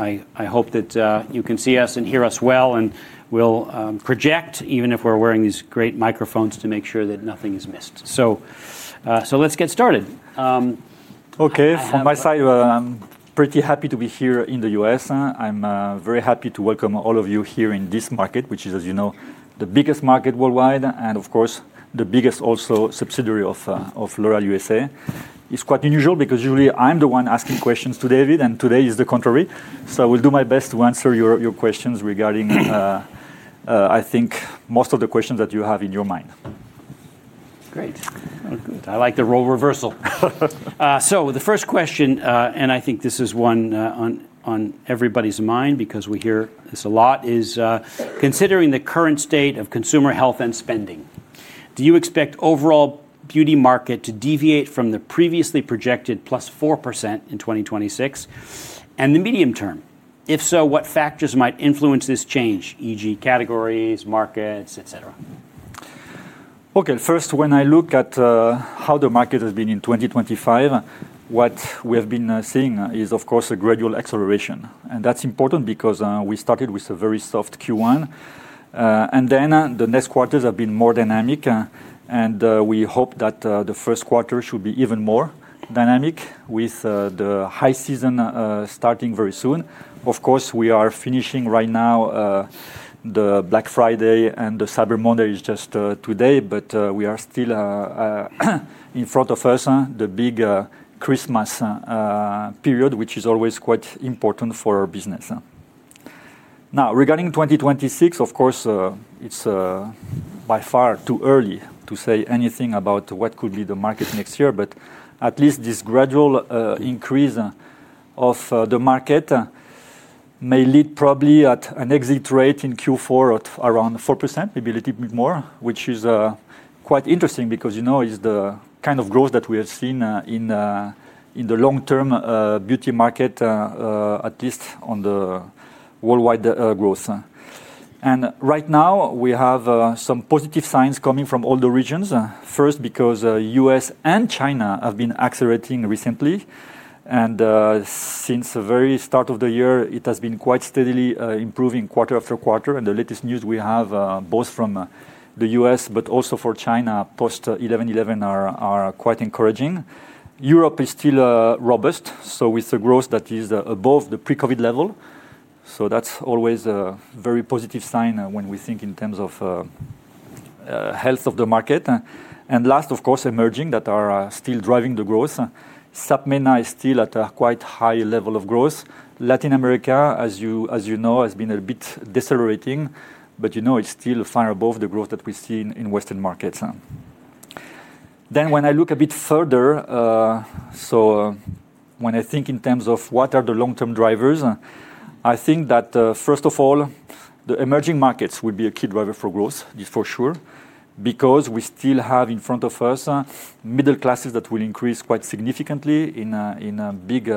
I hope that you can see us and hear us well, and we'll project even if we're wearing these great microphones to make sure that nothing is missed. Let's get started. Okay, from my side, I'm pretty happy to be here in the U.S. I'm very happy to welcome all of you here in this market, which is, as you know, the biggest market worldwide and, of course, the biggest also subsidiary of L'Oréal USA. It's quite unusual because usually I'm the one asking questions to David, and today is the contrary. I will do my best to answer your questions regarding, I think, most of the questions that you have in your mind. Great. I like the role reversal. The first question, and I think this is one on everybody's mind because we hear this a lot, is considering the current state of consumer health and spending, do you expect overall beauty market to deviate from the previously projected plus 4% in 2026 and the medium term? If so, what factors might influence this change, e.g., categories, markets, et cetera? Okay, first, when I look at how the market has been in 2025, what we have been seeing is, of course, a gradual acceleration. That is important because we started with a very soft Q1, and then the next quarters have been more dynamic, and we hope that the first quarter should be even more dynamic with the high season starting very soon. Of course, we are finishing right now the Black Friday, and Cyber Monday is just today, but we are still in front of us the big Christmas period, which is always quite important for our business. Now, regarding 2026, of course, it's by far too early to say anything about what could be the market next year, but at least this gradual increase of the market may lead probably at an exit rate in Q4 at around 4%, maybe a little bit more, which is quite interesting because it's the kind of growth that we have seen in the long-term beauty market, at least on the worldwide growth. Right now, we have some positive signs coming from all the regions, first because the U.S. and China have been accelerating recently, and since the very start of the year, it has been quite steadily improving quarter after quarter, and the latest news we have both from the U.S. but also for China post-11/11 are quite encouraging. Europe is still robust, with growth that is above the pre-COVID level. That is always a very positive sign when we think in terms of health of the market. Last, of course, emerging markets are still driving the growth. Sub-Saharan Africa is still at a quite high level of growth. Latin America, as you know, has been a bit decelerating, but it is still far above the growth that we see in Western markets. When I look a bit further, when I think in terms of what are the long-term drivers, I think that, first of all, the emerging markets will be a key driver for growth, for sure, because we still have in front of us middle classes that will increase quite significantly in big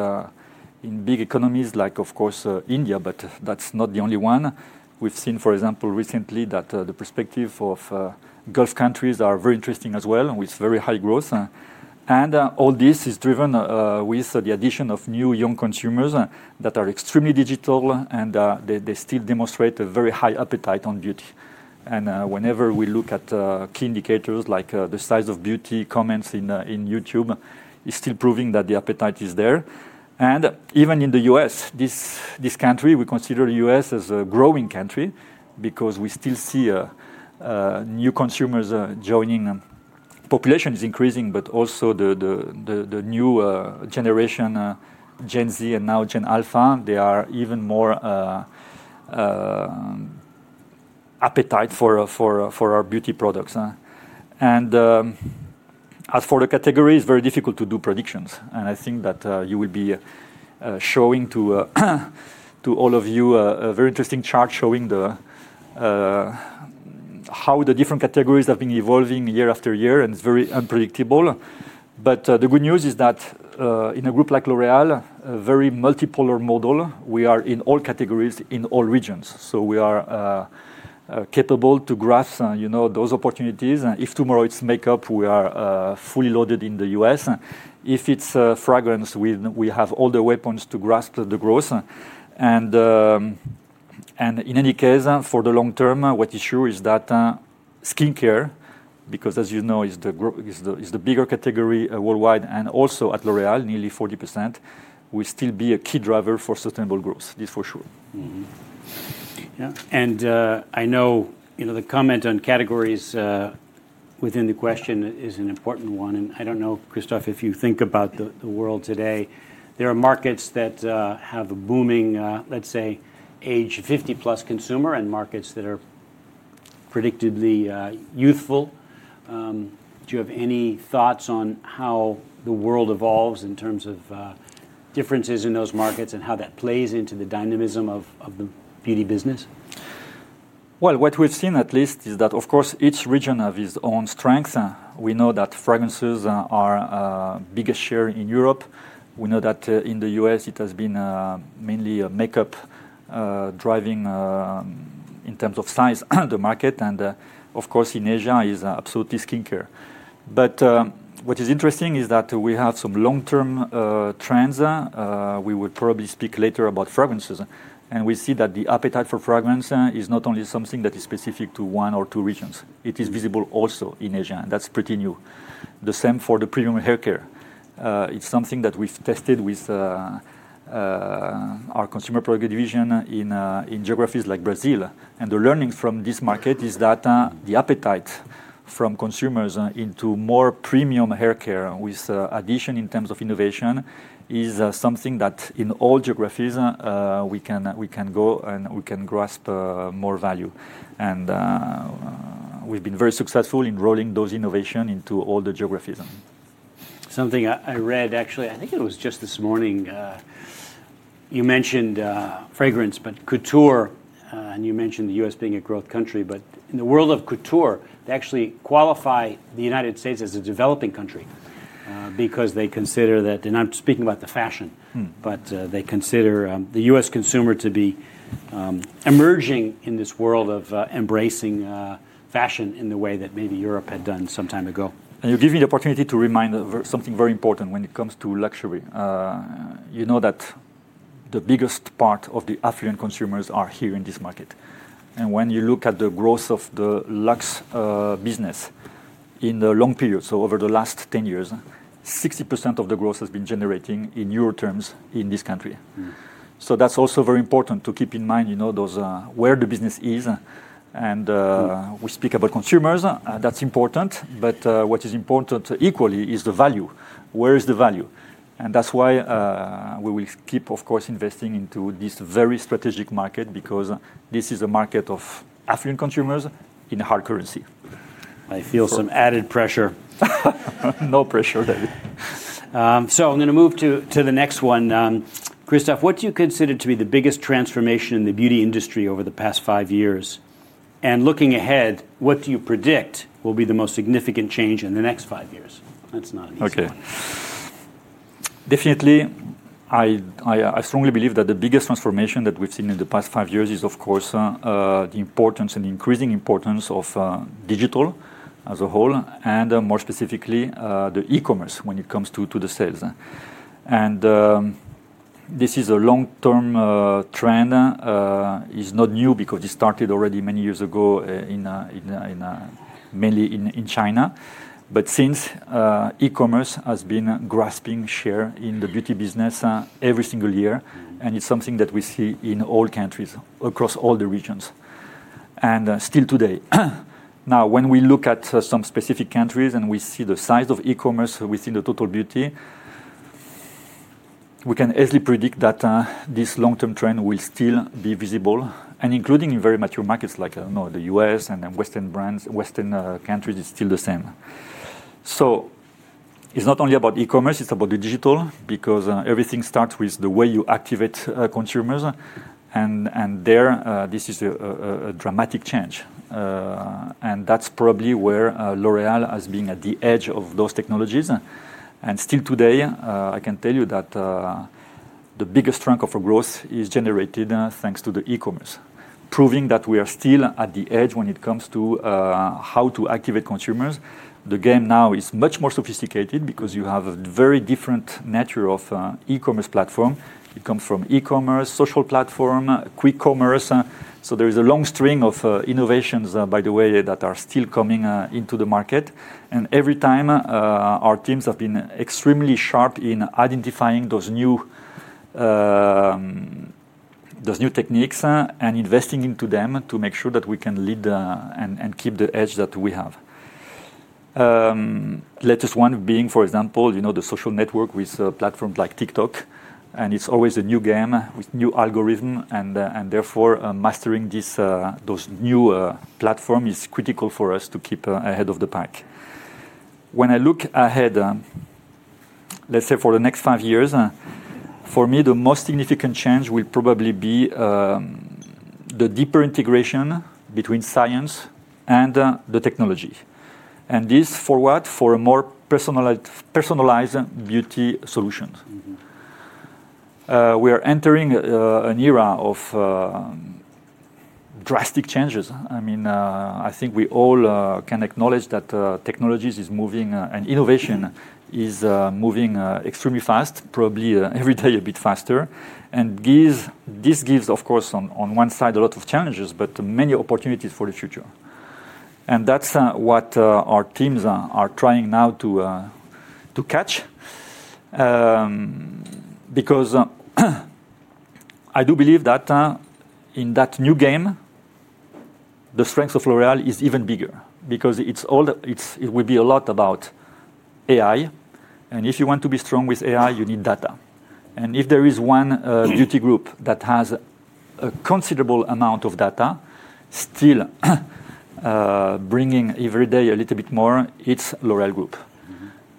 economies like, of course, India, but that is not the only one. We've seen, for example, recently that the perspective of Gulf countries is very interesting as well with very high growth. All this is driven with the addition of new young consumers that are extremely digital, and they still demonstrate a very high appetite on beauty. Whenever we look at key indicators like the size of beauty comments in YouTube, it's still proving that the appetite is there. Even in the U.S., this country, we consider the U.S. as a growing country because we still see new consumers joining. Population is increasing, but also the new generation, Gen Z, and now Gen Alpha, they are even more appetite for our beauty products. As for the categories, it's very difficult to do predictions, and I think that you will be showing to all of you a very interesting chart showing how the different categories have been evolving year after year, and it's very unpredictable. The good news is that in a group like L'Oréal, a very multipolar model, we are in all categories in all regions, so we are capable to grasp those opportunities. If tomorrow it's makeup, we are fully loaded in the U.S. If it's fragrance, we have all the waypoints to grasp the growth. In any case, for the long term, what is sure is that skincare, because as you know, is the bigger category worldwide and also at L'Oréal, nearly 40%, will still be a key driver for sustainable growth. This is for sure. Yeah, I know the comment on categories within the question is an important one. I don't know, Christophe, if you think about the world today, there are markets that have a booming, let's say, age 50-plus consumer and markets that are predictably youthful. Do you have any thoughts on how the world evolves in terms of differences in those markets and how that plays into the dynamism of the beauty business? What we've seen at least is that, of course, each region has its own strength. We know that fragrances are the biggest share in Europe. We know that in the U.S., it has been mainly makeup driving in terms of size the market, and of course, in Asia, it's absolutely skincare. What is interesting is that we have some long-term trends. We will probably speak later about fragrances. We see that the appetite for fragrance is not only something that is specific to one or two regions. It is visible also in Asia, and that's pretty new. The same for the premium haircare. It's something that we've tested with our Consumer Products Division in geographies like Brazil. The learning from this market is that the appetite from consumers into more premium haircare with addition in terms of innovation is something that in all geographies we can go and we can grasp more value. We have been very successful in rolling those innovations into all the geographies. Something I read, actually, I think it was just this morning, you mentioned fragrance, but couture, and you mentioned the U.S. being a growth country, but in the world of couture, they actually qualify the United States as a developing country because they consider that, and I'm speaking about the fashion, but they consider the U.S. consumer to be emerging in this world of embracing fashion in the way that maybe Europe had done some time ago. You give me the opportunity to remind something very important when it comes to luxury. You know that the biggest part of the affluent consumers are here in this market. When you look at the growth of the luxe business in the long period, over the last 10 years, 60% of the growth has been generated in EUR terms in this country. That is also very important to keep in mind where the business is. We speak about consumers, that is important, but what is important equally is the value. Where is the value? That is why we will keep, of course, investing into this very strategic market because this is a market of affluent consumers in a hard currency. I feel some added pressure. No pressure, David. I'm going to move to the next one. Christophe, what do you consider to be the biggest transformation in the beauty industry over the past five years? Looking ahead, what do you predict will be the most significant change in the next five years? That's not an easy one. Okay. Definitely, I strongly believe that the biggest transformation that we've seen in the past five years is, of course, the importance and increasing importance of digital as a whole, and more specifically the e-commerce when it comes to the sales. This is a long-term trend. It's not new because it started already many years ago, mainly in China. Since e-commerce has been grasping share in the beauty business every single year, it's something that we see in all countries across all the regions, and still today. Now, when we look at some specific countries and we see the size of e-commerce within the total beauty, we can easily predict that this long-term trend will still be visible, and including in very mature markets like, I don't know, the U.S. and then Western countries, it's still the same. It is not only about e-commerce, it is about the digital because everything starts with the way you activate consumers, and there this is a dramatic change. That is probably where L'Oréal has been at the edge of those technologies. Still today, I can tell you that the biggest trunk of growth is generated thanks to the e-commerce, proving that we are still at the edge when it comes to how to activate consumers. The game now is much more sophisticated because you have a very different nature of e-commerce platform. It comes from e-commerce, social platform, quick commerce. There is a long string of innovations, by the way, that are still coming into the market. Every time our teams have been extremely sharp in identifying those new techniques and investing into them to make sure that we can lead and keep the edge that we have. Latest one being, for example, the social network with platforms like TikTok, and it's always a new game with new algorithms, and therefore mastering those new platforms is critical for us to keep ahead of the pack. When I look ahead, let's say for the next five years, for me, the most significant change will probably be the deeper integration between science and the technology. And this for what? For more personalized beauty solutions. We are entering an era of drastic changes. I mean, I think we all can acknowledge that technologies is moving and innovation is moving extremely fast, probably every day a bit faster. And this gives, of course, on one side a lot of challenges, but many opportunities for the future. That's what our teams are trying now to catch because I do believe that in that new game, the strength of L'Oréal is even bigger because it will be a lot about AI. If you want to be strong with AI, you need data. If there is one beauty group that has a considerable amount of data still bringing every day a little bit more, it's L'Oréal Group.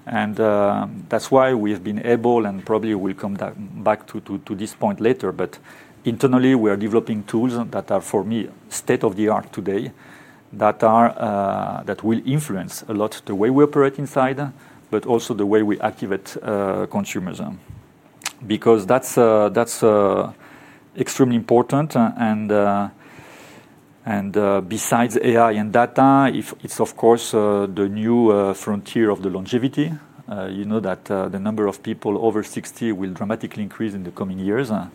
That's why we've been able, and probably we'll come back to this point later, but internally we are developing tools that are, for me, state of the art today that will influence a lot the way we operate inside, but also the way we activate consumers because that's extremely important. Besides AI and data, it's, of course, the new frontier of the longevity. You know that the number of people over 60 will dramatically increase in the coming years. I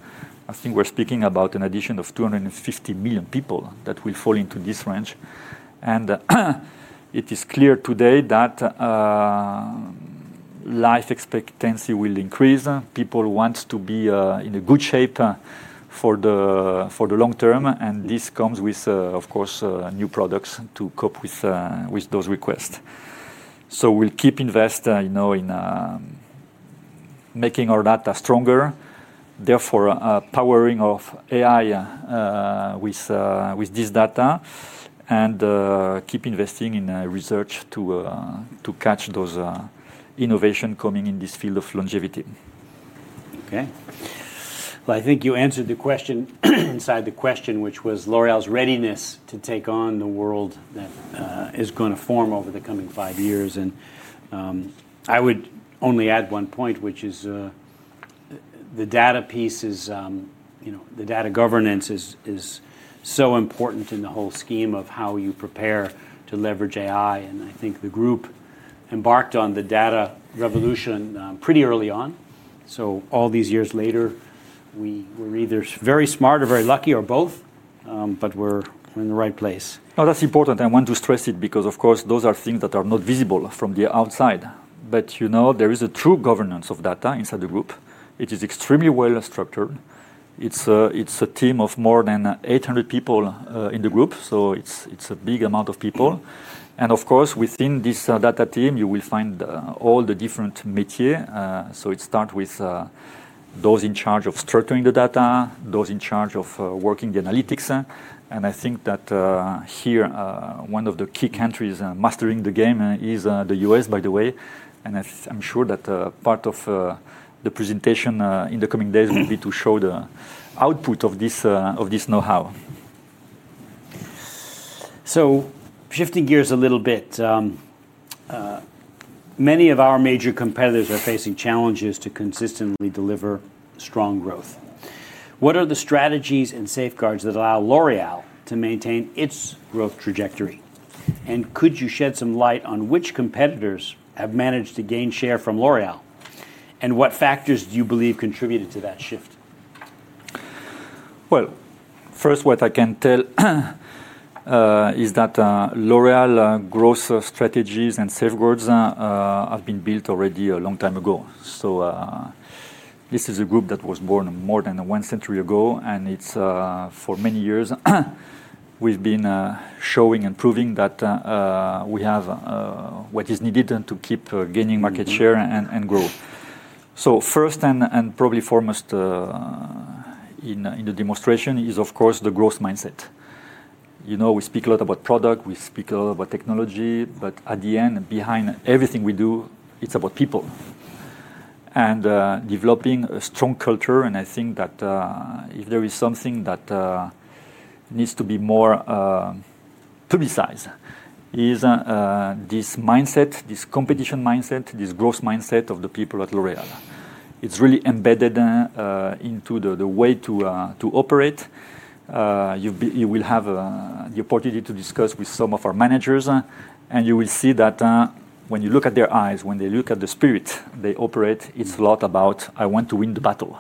think we're speaking about an addition of 250 million people that will fall into this range. It is clear today that life expectancy will increase. People want to be in good shape for the long term, and this comes with, of course, new products to cope with those requests. We will keep investing in making our data stronger, therefore powering off AI with this data, and keep investing in research to catch those innovations coming in this field of longevity. Okay. I think you answered the question inside the question, which was L'Oréal's readiness to take on the world that is going to form over the coming five years. I would only add one point, which is the data piece is, the data governance is so important in the whole scheme of how you prepare to leverage AI. I think the group embarked on the data revolution pretty early on. All these years later, we were either very smart or very lucky or both, but we're in the right place. Oh, that's important. I want to stress it because, of course, those are things that are not visible from the outside. There is a true governance of data inside the group. It is extremely well structured. It's a team of more than 800 people in the group, so it's a big amount of people. Of course, within this data team, you will find all the different métiers. It starts with those in charge of structuring the data, those in charge of working the analytics. I think that here one of the key countries mastering the game is the U.S., by the way. I'm sure that part of the presentation in the coming days will be to show the output of this know-how. Shifting gears a little bit, many of our major competitors are facing challenges to consistently deliver strong growth. What are the strategies and safeguards that allow L'Oréal to maintain its growth trajectory? Could you shed some light on which competitors have managed to gain share from L'Oréal? What factors do you believe contributed to that shift? What I can tell is that L'Oréal growth strategies and safeguards have been built already a long time ago. This is a group that was born more than one century ago, and for many years we've been showing and proving that we have what is needed to keep gaining market share and grow. First and probably foremost in the demonstration is, of course, the growth mindset. We speak a lot about product, we speak a lot about technology, but at the end, behind everything we do, it's about people and developing a strong culture. I think that if there is something that needs to be more publicized, it is this mindset, this competition mindset, this growth mindset of the people at L'Oréal. It's really embedded into the way to operate. You will have the opportunity to discuss with some of our managers, and you will see that when you look at their eyes, when they look at the spirit they operate, it's a lot about, "I want to win the battle.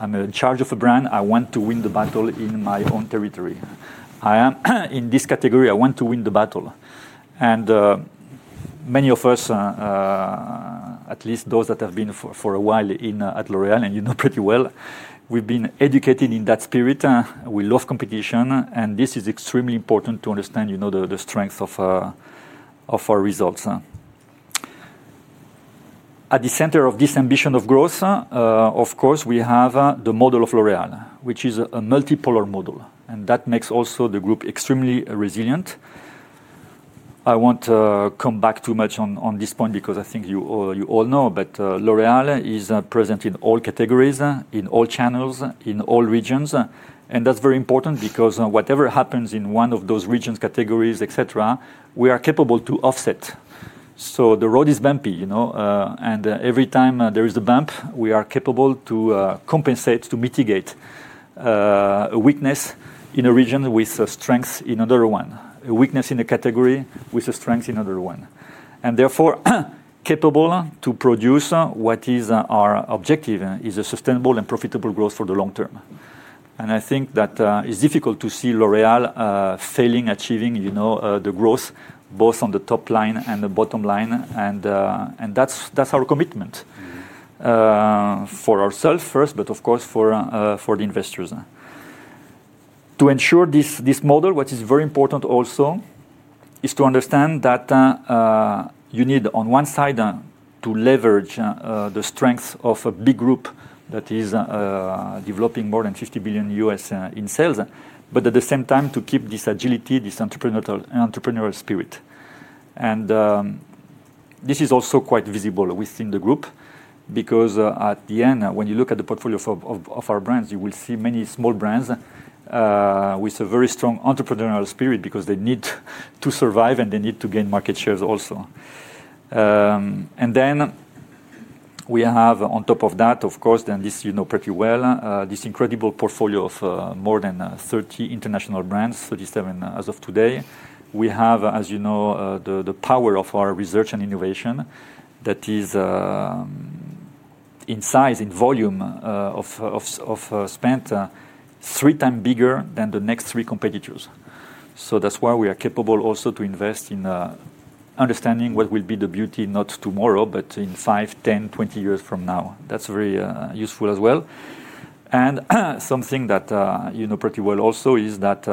I'm in charge of a brand. I want to win the battle in my own territory. In this category, I want to win the battle." Many of us, at least those that have been for a while at L'Oréal and you know pretty well, we've been educated in that spirit. We love competition, and this is extremely important to understand the strength of our results. At the center of this ambition of growth, of course, we have the model of L'Oréal, which is a multipolar model, and that makes also the group extremely resilient. I won't come back too much on this point because I think you all know, but L'Oréal is present in all categories, in all channels, in all regions. That is very important because whatever happens in one of those regions' categories, etc., we are capable to offset. The road is bumpy, and every time there is a bump, we are capable to compensate, to mitigate a weakness in a region with strength in another one, a weakness in a category with a strength in another one, and therefore capable to produce what is our objective, which is sustainable and profitable growth for the long term. I think that it's difficult to see L'Oréal failing at achieving the growth both on the top line and the bottom line, and that's our commitment for ourselves first, but of course for the investors. To ensure this model, what is very important also is to understand that you need, on one side, to leverage the strength of a big group that is developing more than $50 billion in sales, but at the same time to keep this agility, this entrepreneurial spirit. This is also quite visible within the group because at the end, when you look at the portfolio of our brands, you will see many small brands with a very strong entrepreneurial spirit because they need to survive and they need to gain market shares also. We have, on top of that, of course, and this you know pretty well, this incredible portfolio of more than 30 international brands, 37 as of today. We have, as you know, the power of our research and innovation that is in size, in volume of spend, three times bigger than the next three competitors. That is why we are capable also to invest in understanding what will be the beauty not tomorrow, but in 5, 10, 20 years from now. That is very useful as well. Something that you know pretty well also is that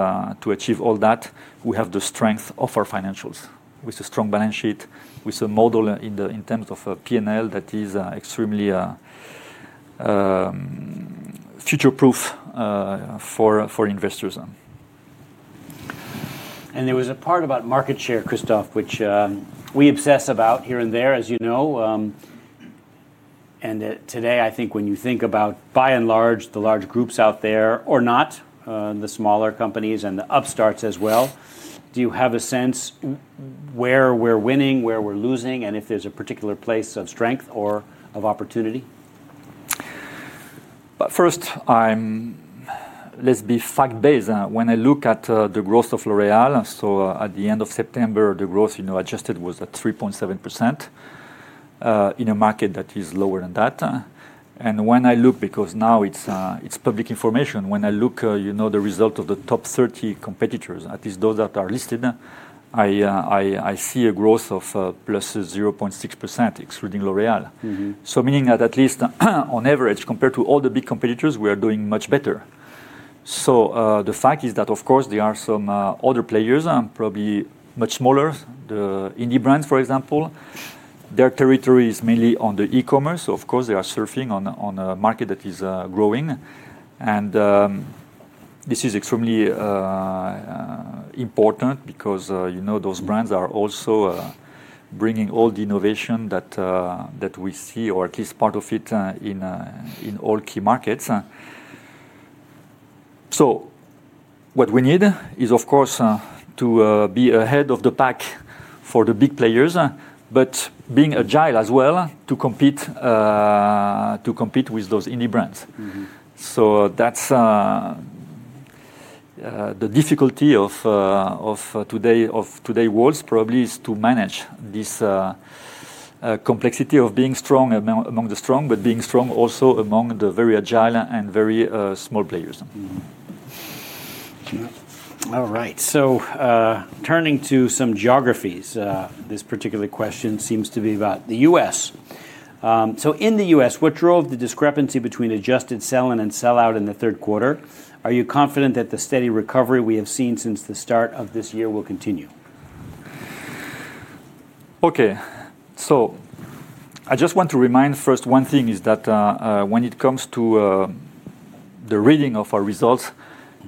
to achieve all that, we have the strength of our financials with a strong balance sheet, with a model in terms of P&L that is extremely future-proof for investors. There was a part about market share, Christophe, which we obsess about here and there, as you know. Today, I think when you think about, by and large, the large groups out there or not, the smaller companies and the upstarts as well, do you have a sense where we're winning, where we're losing, and if there's a particular place of strength or of opportunity? First, let's be fact-based. When I look at the growth of L'Oréal, at the end of September, the growth adjusted was at 3.7% in a market that is lower than that. When I look, because now it's public information, at the result of the top 30 competitors, at least those that are listed, I see a growth of plus 0.6% excluding L'Oréal, meaning that at least on average, compared to all the big competitors, we are doing much better. The fact is that, of course, there are some other players, probably much smaller, the indie brands, for example. Their territory is mainly on the e-commerce. They are surfing on a market that is growing. This is extremely important because those brands are also bringing all the innovation that we see, or at least part of it, in all key markets. What we need is, of course, to be ahead of the pack for the big players, but being agile as well to compete with those indie brands. That's the difficulty of today's world, probably, to manage this complexity of being strong among the strong, but being strong also among the very agile and very small players. All right. Turning to some geographies, this particular question seems to be about the U.S. In the U.S., what drove the discrepancy between adjusted sell-in and sell-out in the third quarter? Are you confident that the steady recovery we have seen since the start of this year will continue? Okay. I just want to remind first one thing is that when it comes to the reading of our results,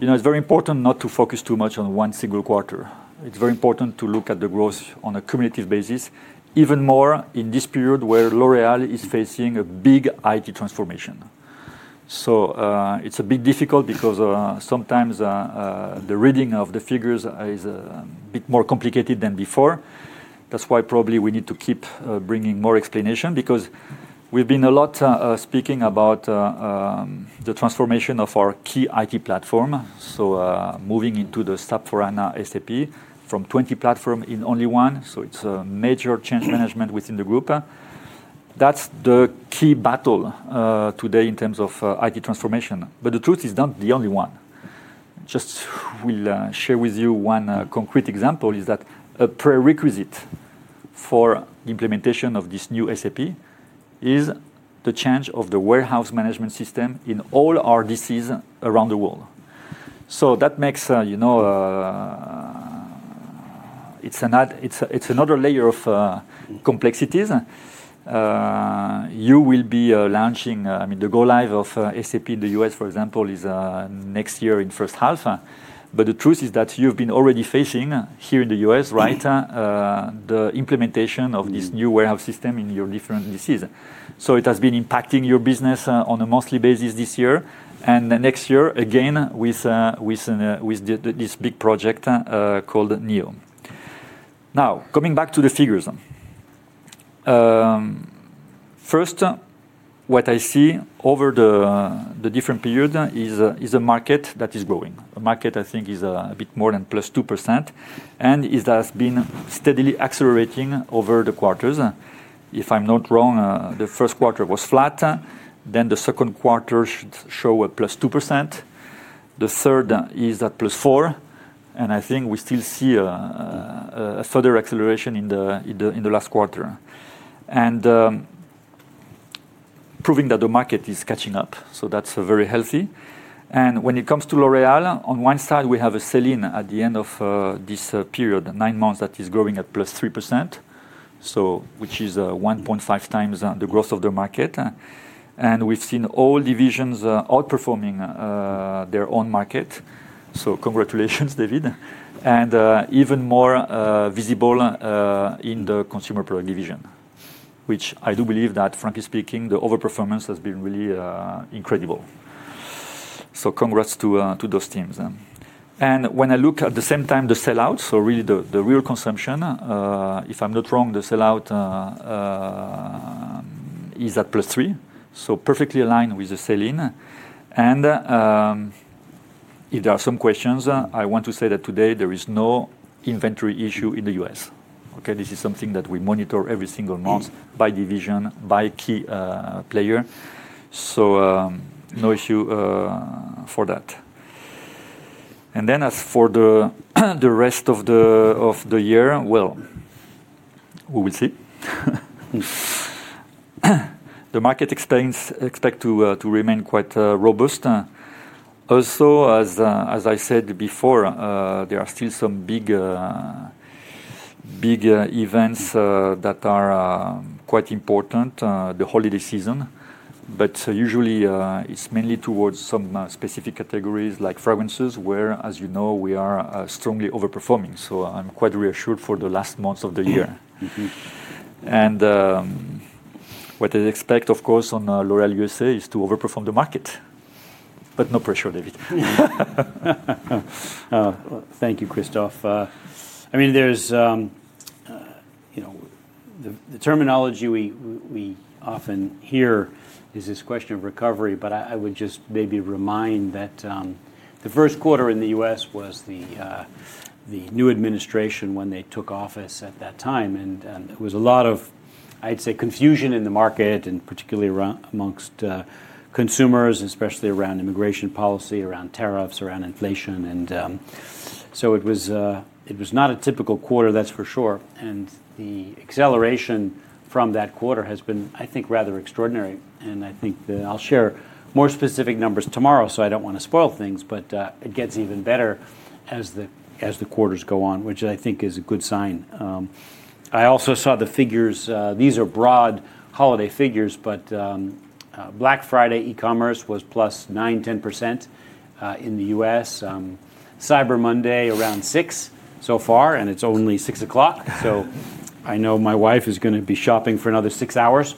it's very important not to focus too much on one single quarter. It's very important to look at the growth on a cumulative basis, even more in this period where L'Oréal is facing a big IT transformation. It's a bit difficult because sometimes the reading of the figures is a bit more complicated than before. That's why probably we need to keep bringing more explanation because we've been a lot speaking about the transformation of our key IT platform, moving into the SAP for Anna, SAP from 20 platforms in only one. It's a major change management within the group. That's the key battle today in terms of IT transformation. The truth is not the only one. Just we'll share with you one concrete example is that a prerequisite for the implementation of this new SAP is the change of the warehouse management system in all RDCs around the world. That makes it another layer of complexities. You will be launching, I mean, the go-live of SAP in the U.S., for example, is next year in the first half. The truth is that you've been already facing here in the U.S., right, the implementation of this new warehouse system in your different DCs. It has been impacting your business on a monthly basis this year and next year again with this big project called NEO. Now, coming back to the figures. First, what I see over the different periods is a market that is growing. The market, I think, is a bit more than plus 2% and has been steadily accelerating over the quarters. If I'm not wrong, the first quarter was flat. The second quarter showed +2%. The third is at +4%, and I think we still see a further acceleration in the last quarter, proving that the market is catching up. That is very healthy. When it comes to L'Oréal, on one side, we have a sell-in at the end of this period, nine months, that is growing at +3%, which is 1.5 times the growth of the market. We have seen all divisions outperforming their own market. Congratulations, David. It is even more visible in the Consumer Products Division, which I do believe that, frankly speaking, the overperformance has been really incredible. Congrats to those teams. When I look at the same time, the sell-out, so really the real consumption, if I'm not wrong, the sell-out is at +3%, so perfectly aligned with the sell-in. If there are some questions, I want to say that today there is no inventory issue in the U.S. This is something that we monitor every single month by division, by key player. No issue for that. As for the rest of the year, we will see. The market expects to remain quite robust. Also, as I said before, there are still some big events that are quite important, the holiday season, but usually it is mainly towards some specific categories like fragrances, where, as you know, we are strongly overperforming. I am quite reassured for the last months of the year. What I expect, of course, on L'Oréal USA is to overperform the market, but no pressure, David. Thank you, Christophe. I mean, there's the terminology we often hear is this question of recovery, but I would just maybe remind that the first quarter in the U.S. was the new administration when they took office at that time. There was a lot of, I'd say, confusion in the market and particularly amongst consumers, especially around immigration policy, around tariffs, around inflation. It was not a typical quarter, that's for sure. The acceleration from that quarter has been, I think, rather extraordinary. I think I'll share more specific numbers tomorrow, so I don't want to spoil things, but it gets even better as the quarters go on, which I think is a good sign. I also saw the figures. These are broad holiday figures, but Black Friday e-commerce was plus 9%-10% in the U.S. Cyber Monday around 6 so far, and it's only 6 o'clock. I know my wife is going to be shopping for another six hours.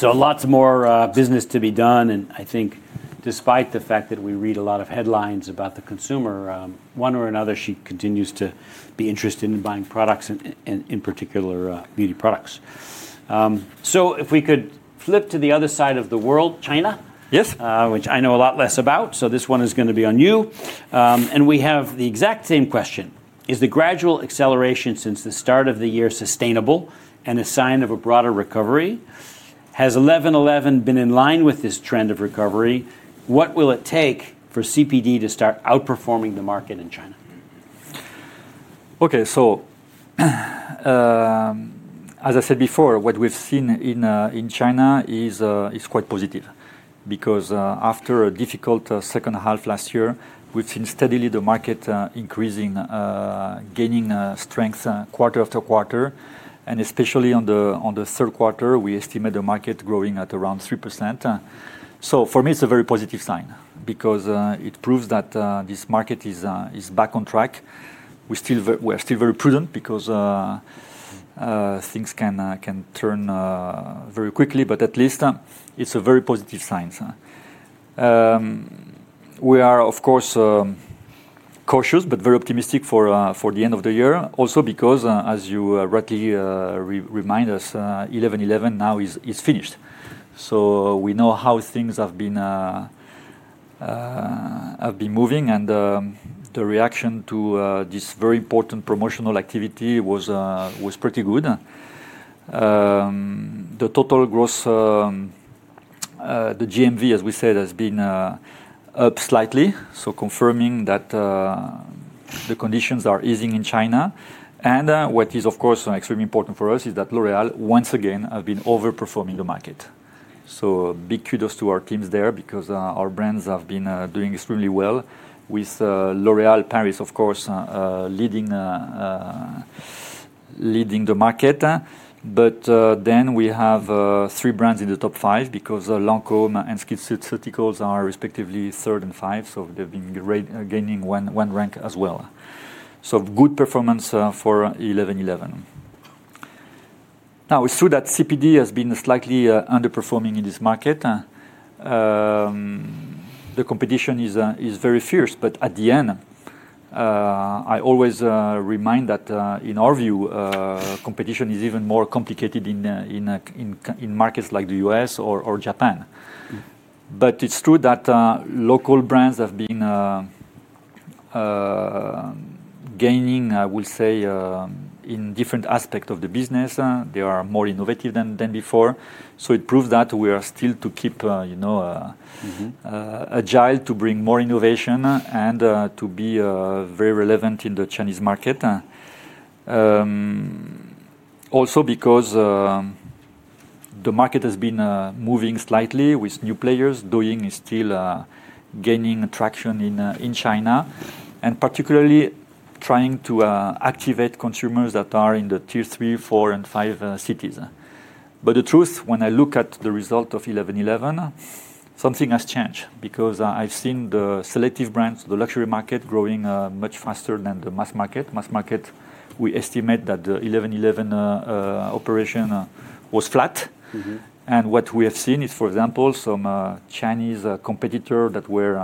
Lots more business to be done. I think despite the fact that we read a lot of headlines about the consumer, one way or another, she continues to be interested in buying products, in particular beauty products. If we could flip to the other side of the world, China, which I know a lot less about, this one is going to be on you. We have the exact same question. Is the gradual acceleration since the start of the year sustainable and a sign of a broader recovery? Has 11/11 been in line with this trend of recovery? What will it take for CPD to start outperforming the market in China? Okay. As I said before, what we've seen in China is quite positive because after a difficult second half last year, we've seen steadily the market increasing, gaining strength quarter after quarter. Especially in the third quarter, we estimate the market growing at around 3%. For me, it's a very positive sign because it proves that this market is back on track. We're still very prudent because things can turn very quickly, but at least it's a very positive sign. We are, of course, cautious but very optimistic for the end of the year also because, as you rightly remind us, 11/11 now is finished. We know how things have been moving, and the reaction to this very important promotional activity was pretty good. The total gross, the GMV, as we said, has been up slightly, confirming that the conditions are easing in China. What is, of course, extremely important for us is that L'Oréal, once again, has been overperforming the market. Big kudos to our teams there because our brands have been doing extremely well with L'Oréal Paris, of course, leading the market. We have three brands in the top five because Lancôme and L'Oréal Paris are respectively third and fifth, so they've been gaining one rank as well. Good performance for 11/11. It is true that CPD has been slightly underperforming in this market. The competition is very fierce, but at the end, I always remind that in our view, competition is even more complicated in markets like the U.S. or Japan. It is true that local brands have been gaining, I will say, in different aspects of the business. They are more innovative than before. It proves that we are still to keep agile to bring more innovation and to be very relevant in the Chinese market. Also because the market has been moving slightly with new players. Douyin is still gaining traction in China and particularly trying to activate consumers that are in the tier three, four, and five cities. The truth, when I look at the result of 11/11, something has changed because I've seen the selective brands, the luxury market growing much faster than the mass market. Mass market, we estimate that the 11/11 operation was flat. What we have seen is, for example, some Chinese competitors that were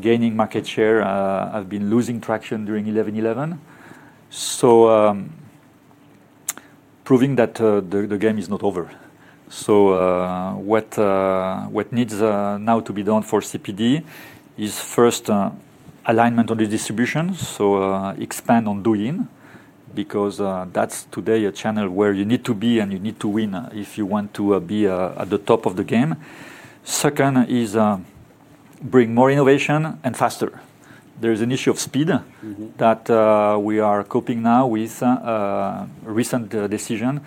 gaining market share have been losing traction during 11/11, proving that the game is not over. What needs now to be done for CPD is first alignment on the distribution, so expand on Douyin because that's today a channel where you need to be and you need to win if you want to be at the top of the game. Second is bring more innovation and faster. There is an issue of speed that we are coping now with a recent decision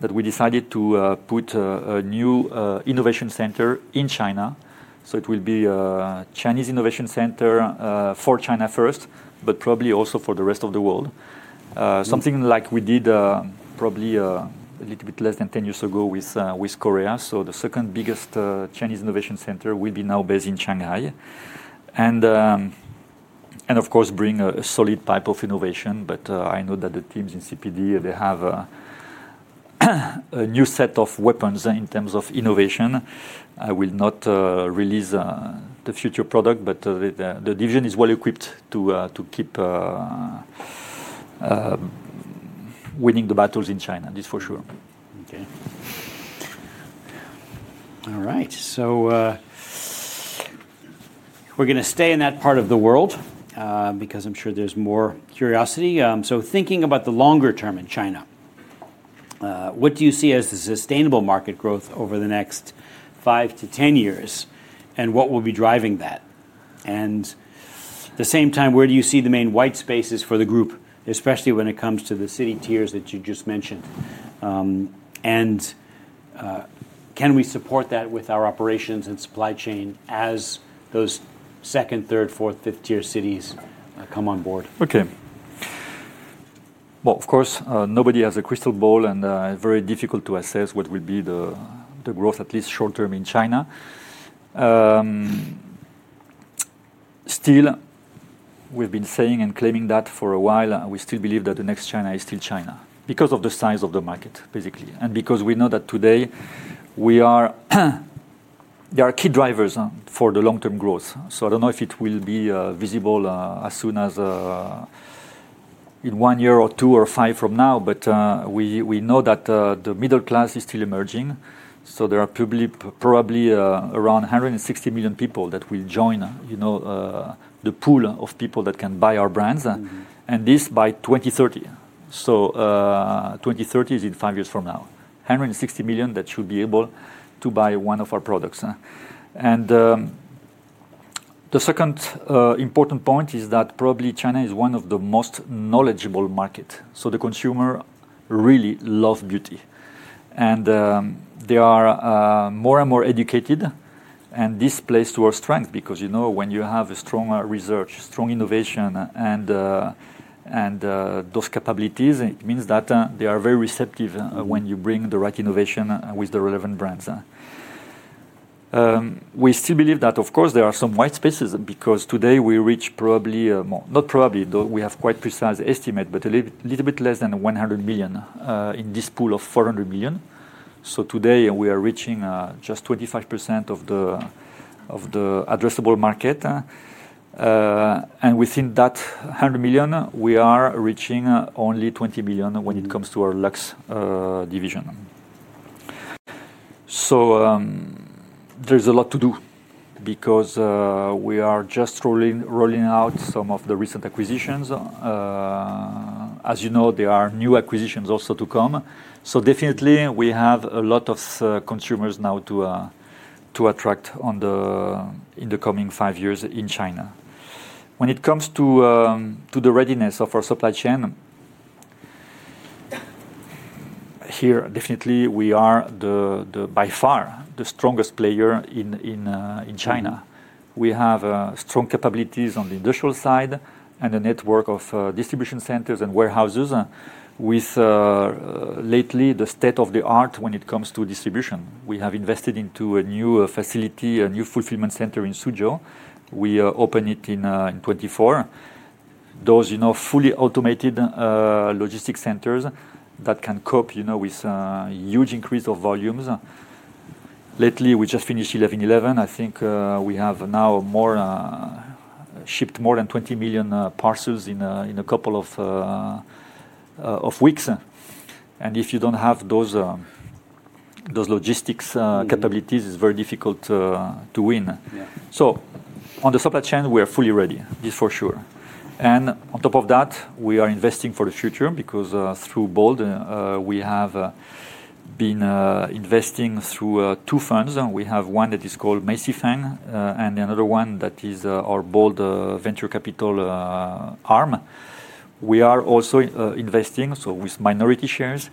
that we decided to put a new innovation center in China. It will be a Chinese innovation center for China first, but probably also for the rest of the world. Something like we did probably a little bit less than 10 years ago with Korea. The second biggest Chinese innovation center will be now based in Shanghai. Of course, bring a solid pipe of innovation. I know that the teams in CPD, they have a new set of weapons in terms of innovation. I will not release the future product, but the division is well equipped to keep winning the battles in China, this for sure. Okay. All right. We're going to stay in that part of the world because I'm sure there's more curiosity. Thinking about the longer term in China, what do you see as the sustainable market growth over the next 5 to 10 years and what will be driving that? At the same time, where do you see the main white spaces for the group, especially when it comes to the city tiers that you just mentioned? Can we support that with our operations and supply chain as those second, third, fourth, fifth tier cities come on board? Okay. Of course, nobody has a crystal ball, and it's very difficult to assess what will be the growth, at least short term, in China. Still, we've been saying and claiming that for a while. We still believe that the next China is still China because of the size of the market, basically, and because we know that today there are key drivers for the long-term growth. I don't know if it will be visible as soon as in one year or two or five from now, but we know that the middle class is still emerging. There are probably around 160 million people that will join the pool of people that can buy our brands, and this by 2030. 2030 is in five years from now. 160 million that should be able to buy one of our products. The second important point is that probably China is one of the most knowledgeable markets. The consumer really loves beauty, and they are more and more educated, and this plays to our strength because when you have strong research, strong innovation, and those capabilities, it means that they are very receptive when you bring the right innovation with the relevant brands. We still believe that, of course, there are some white spaces because today we reach probably not probably, though we have quite precise estimates, but a little bit less than 100 million in this pool of 400 million. Today we are reaching just 25% of the addressable market. Within that 100 million, we are reaching only 20 million when it comes to our luxe division. There is a lot to do because we are just rolling out some of the recent acquisitions. As you know, there are new acquisitions also to come. Definitely, we have a lot of consumers now to attract in the coming five years in China. When it comes to the readiness of our supply chain here, definitely we are by far the strongest player in China. We have strong capabilities on the industrial side and a network of distribution centers and warehouses with lately the state of the art when it comes to distribution. We have invested into a new facility, a new fulfillment center in Suzhou. We opened it in 2024. Those fully automated logistics centers that can cope with a huge increase of volumes. Lately, we just finished 11/11. I think we have now shipped more than 20 million parcels in a couple of weeks. If you do not have those logistics capabilities, it is very difficult to win. On the supply chain, we are fully ready, this for sure. On top of that, we are investing for the future because through Bold, we have been investing through two funds. We have one that is called Macy Feng and another one that is our Bold Venture Capital arm. We are also investing, with minority shares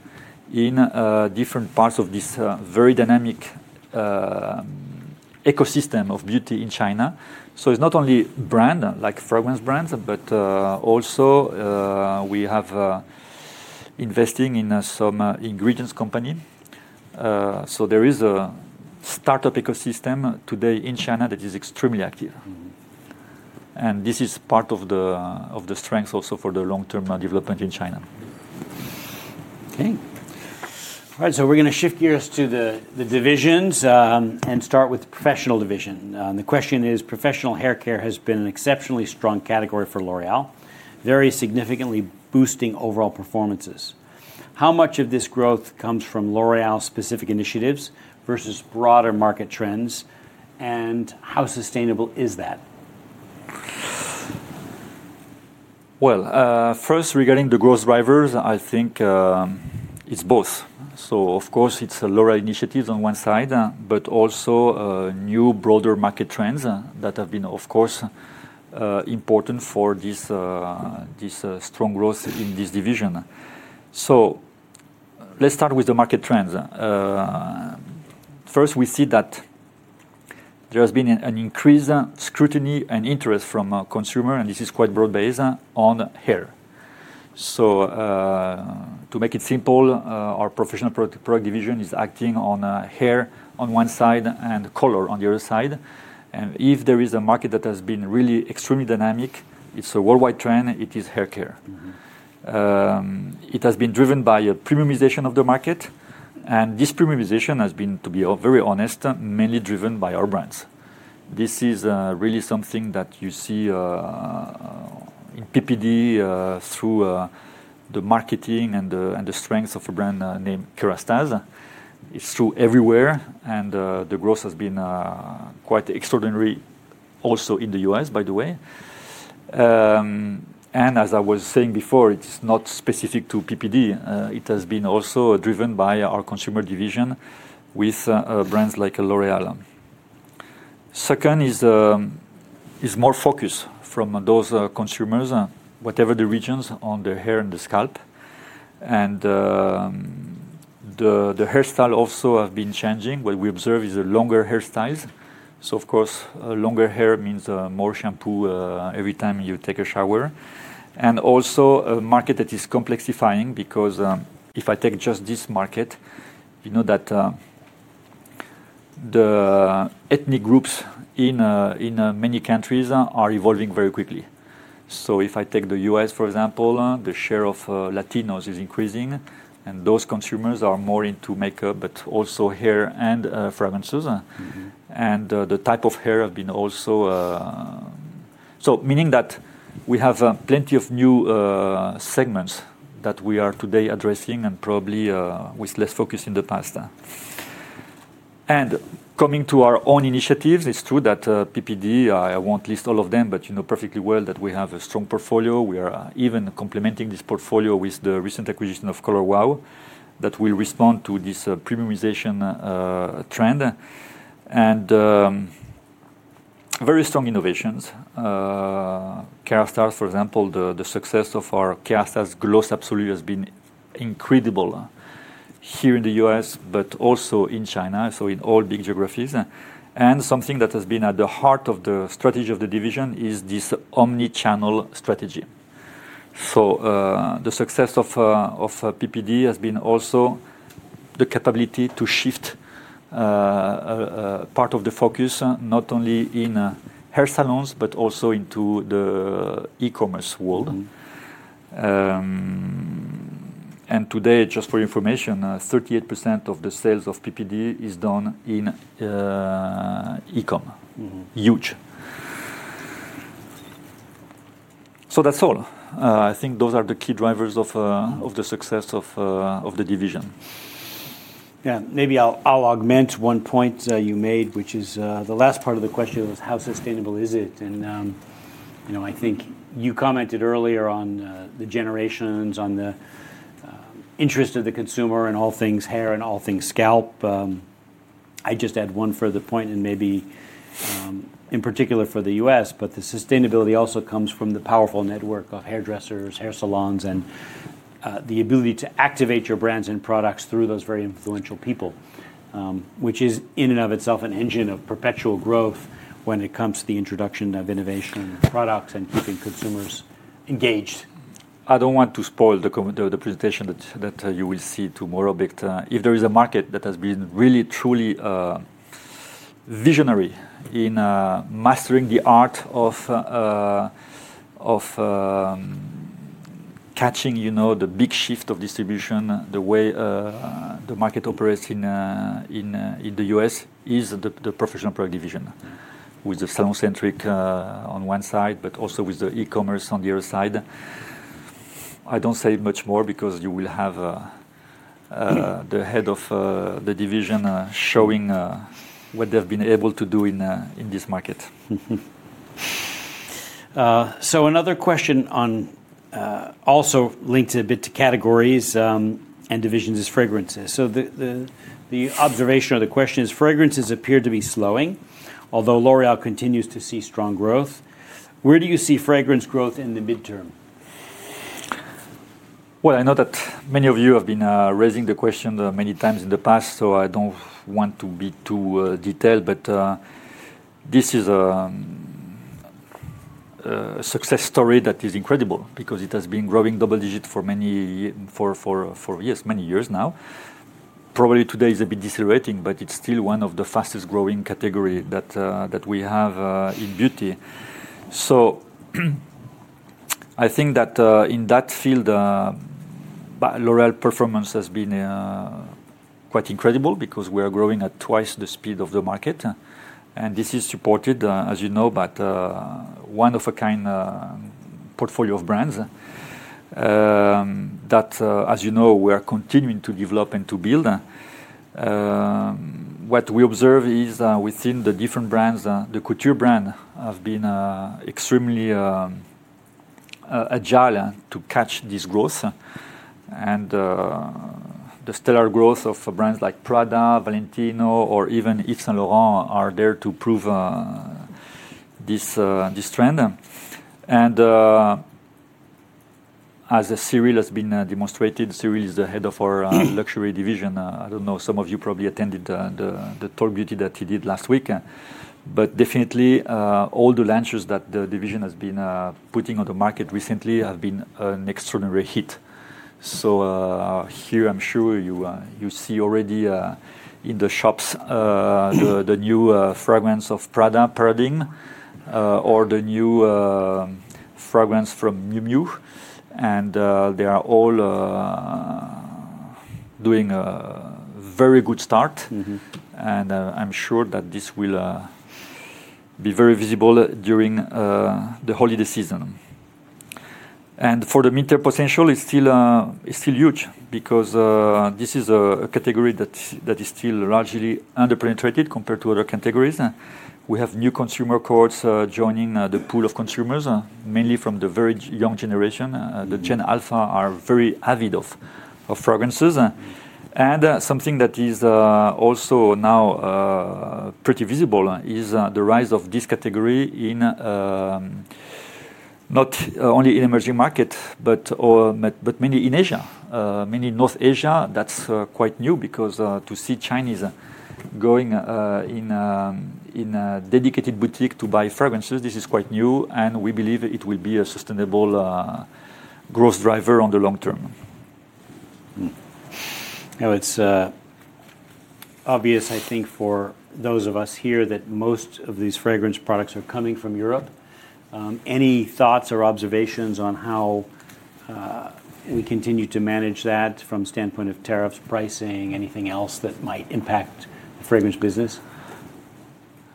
in different parts of this very dynamic ecosystem of beauty in China. It is not only brands like fragrance brands, but also we have invested in some ingredients companies. There is a startup ecosystem today in China that is extremely active. This is part of the strength also for the long-term development in China. Okay. All right. We're going to shift gears to the divisions and start with the professional division. The question is, professional haircare has been an exceptionally strong category for L'Oréal, very significantly boosting overall performances. How much of this growth comes from L'Oréal-specific initiatives versus broader market trends, and how sustainable is that? First, regarding the growth drivers, I think it's both. Of course, it's L'Oréal initiatives on one side, but also new broader market trends that have been, of course, important for this strong growth in this division. Let's start with the market trends. First, we see that there has been an increased scrutiny and interest from consumers, and this is quite broad-based on hair. To make it simple, our professional product division is acting on hair on one side and color on the other side. If there is a market that has been really extremely dynamic, it's a worldwide trend, it is haircare. It has been driven by a premiumization of the market, and this premiumization has been, to be very honest, mainly driven by our brands. This is really something that you see in PPD through the marketing and the strength of a brand named Kérastase. It's through everywhere, and the growth has been quite extraordinary also in the U.S., by the way. As I was saying before, it's not specific to PPD. It has been also driven by our consumer division with brands like L'Oréal. Second is more focus from those consumers, whatever the regions, on the hair and the scalp. The hairstyle also has been changing. What we observe is longer hairstyles. Of course, longer hair means more shampoo every time you take a shower. Also, a market that is complexifying because if I take just this market, you know that the ethnic groups in many countries are evolving very quickly. If I take the U.S., for example, the share of Latinos is increasing, and those consumers are more into makeup, but also hair and fragrances. The type of hair has been also so, meaning that we have plenty of new segments that we are today addressing and probably with less focus in the past. Coming to our own initiatives, it's true that PPD, I won't list all of them, but you know perfectly well that we have a strong portfolio. We are even complementing this portfolio with the recent acquisition of Color Wow that will respond to this premiumization trend and very strong innovations. Kérastase, for example, the success of our Kérastase Gloss Absolute has been incredible here in the U.S., but also in China, in all big geographies. Something that has been at the heart of the strategy of the division is this omnichannel strategy. The success of PPD has been also the capability to shift part of the focus not only in hair salons, but also into the e-commerce world. Today, just for information, 38% of the sales of PPD is done in e-com. Huge. That is all. I think those are the key drivers of the success of the division. Yeah. Maybe I'll augment one point you made, which is the last part of the question was, how sustainable is it? I think you commented earlier on the generations, on the interest of the consumer in all things hair and all things scalp. I'd just add one further point, and maybe in particular for the U.S., but the sustainability also comes from the powerful network of hairdressers, hair salons, and the ability to activate your brands and products through those very influential people, which is in and of itself an engine of perpetual growth when it comes to the introduction of innovation and products and keeping consumers engaged. I don't want to spoil the presentation that you will see tomorrow, but if there is a market that has been really, truly visionary in mastering the art of catching the big shift of distribution, the way the market operates in the U.S., is the Professional Product Division with the salon-centric on one side, but also with the e-commerce on the other side. I don't say much more because you will have the head of the division showing what they've been able to do in this market. Another question also linked a bit to categories and divisions is fragrances. The observation or the question is, fragrances appear to be slowing, although L'Oréal continues to see strong growth. Where do you see fragrance growth in the midterm? I know that many of you have been raising the question many times in the past, so I do not want to be too detailed, but this is a success story that is incredible because it has been growing double-digit for many years now. Probably today is a bit decelerating, but it is still one of the fastest-growing categories that we have in beauty. I think that in that field, L'Oréal performance has been quite incredible because we are growing at twice the speed of the market. This is supported, as you know, by one-of-a-kind portfolio of brands that, as you know, we are continuing to develop and to build. What we observe is within the different brands, the couture brands have been extremely agile to catch this growth. The stellar growth of brands like Prada, Valentino, or even Yves Saint Laurent are there to prove this trend. As Cyril has been demonstrated, Cyril is the Head of our Luxury Division. I don't know, some of you probably attended the Talk Beauty that he did last week. Definitely, all the launches that the division has been putting on the market recently have been an extraordinary hit. Here, I'm sure you see already in the shops the new fragrance of Prada, Paradigme, or the new fragrance from Miu Miu. They are all doing a very good start. I'm sure that this will be very visible during the holiday season. ÑFor the midterm potential, it's still huge because this is a category that is still largely underpenetrated compared to other categories. We have new consumer cohorts joining the pool of consumers, mainly from the very young generation. The Gen Alpha are very avid of fragrances. Something that is also now pretty visible is the rise of this category not only in emerging markets, but mainly in Asia. Mainly North Asia, that's quite new because to see Chinese going in dedicated boutiques to buy fragrances, this is quite new. We believe it will be a sustainable growth driver on the long term. Now, it's obvious, I think, for those of us here that most of these fragrance products are coming from Europe. Any thoughts or observations on how we continue to manage that from the standpoint of tariffs, pricing, anything else that might impact the fragrance business?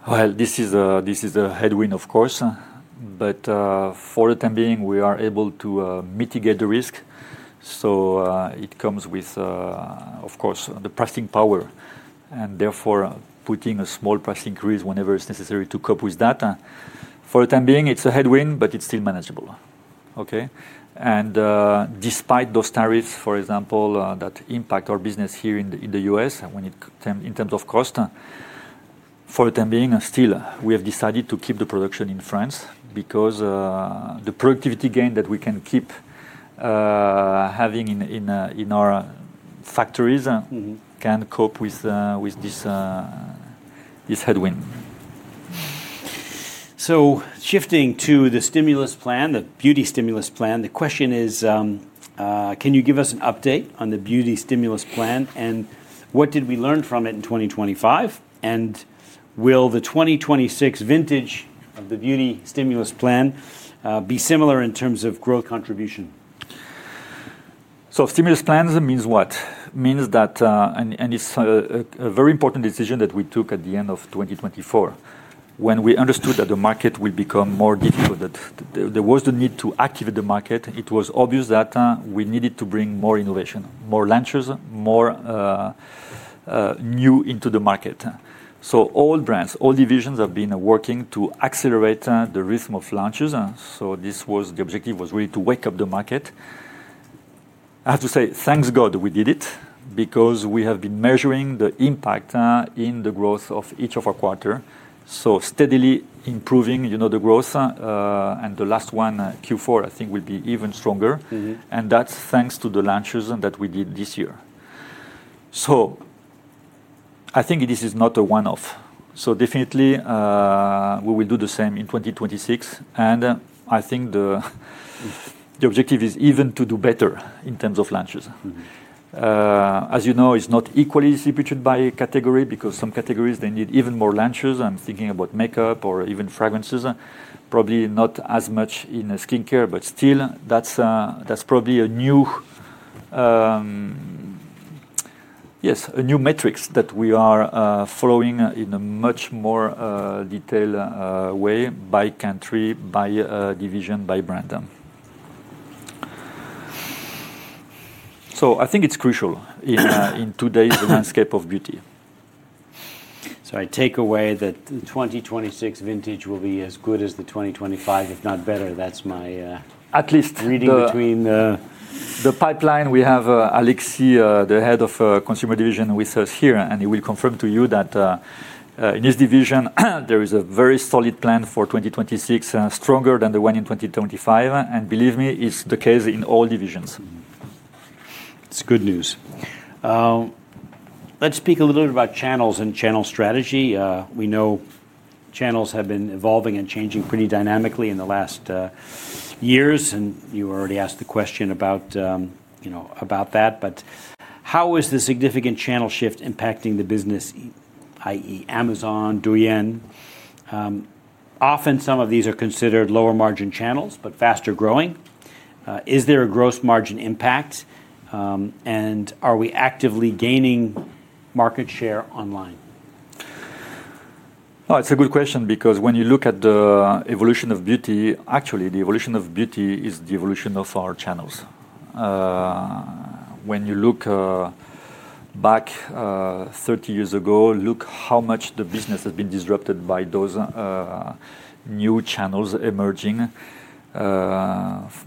This is a headwind, of course. For the time being, we are able to mitigate the risk. It comes with, of course, the pricing power and therefore putting a small price increase whenever it's necessary to cope with that. For the time being, it's a headwind, but it's still manageable. Okay? Despite those tariffs, for example, that impact our business here in the U.S. in terms of cost, for the time being, still, we have decided to keep the production in France because the productivity gain that we can keep having in our factories can cope with this headwind. Shifting to the stimulus plan, the beauty stimulus plan, the question is, can you give us an update on the beauty stimulus plan and what did we learn from it in 2025? Will the 2026 vintage of the beauty stimulus plan be similar in terms of growth contribution? Stimulus plan means what? Means that it's a very important decision that we took at the end of 2024 when we understood that the market will become more difficult, that there was the need to activate the market. It was obvious that we needed to bring more innovation, more launches, more new into the market. All brands, all divisions have been working to accelerate the rhythm of launches. This was the objective, was really to wake up the market. I have to say, thank God we did it because we have been measuring the impact in the growth of each of our quarters, so steadily improving the growth. T he last one, Q4, I think will be even stronger. That's thanks to the launches that we did this year. I think this is not a one-off. Definitely, we will do the same in 2026. I think the objective is even to do better in terms of launches. As you know, it's not equally distributed by category because some categories, they need even more launches. I'm thinking about makeup or even fragrances, probably not as much in skincare, but still, that's probably a new, yes, a new metric that we are following in a much more detailed way by country, by division, by brand. I think it's crucial in today's landscape of beauty. I take away that the 2026 vintage will be as good as the 2025, if not better. That's my. At least. Reading between the pipeline. We have Alexis, the Head of Consumer Division, with us here, and he will confirm to you that in his division, there is a very solid plan for 2026, stronger than the one in 2025. Believe me, it is the case in all divisions. It's good news. Let's speak a little bit about channels and channel strategy. We know channels have been evolving and changing pretty dynamically in the last years. You already asked the question about that. How is the significant channel shift impacting the business, i.e., Amazon, Douyin? Often, some of these are considered lower margin channels, but faster growing. Is there a gross margin impact? Are we actively gaining market share online? It's a good question because when you look at the evolution of beauty, actually, the evolution of beauty is the evolution of our channels. When you look back 30 years ago, look how much the business has been disrupted by those new channels emerging,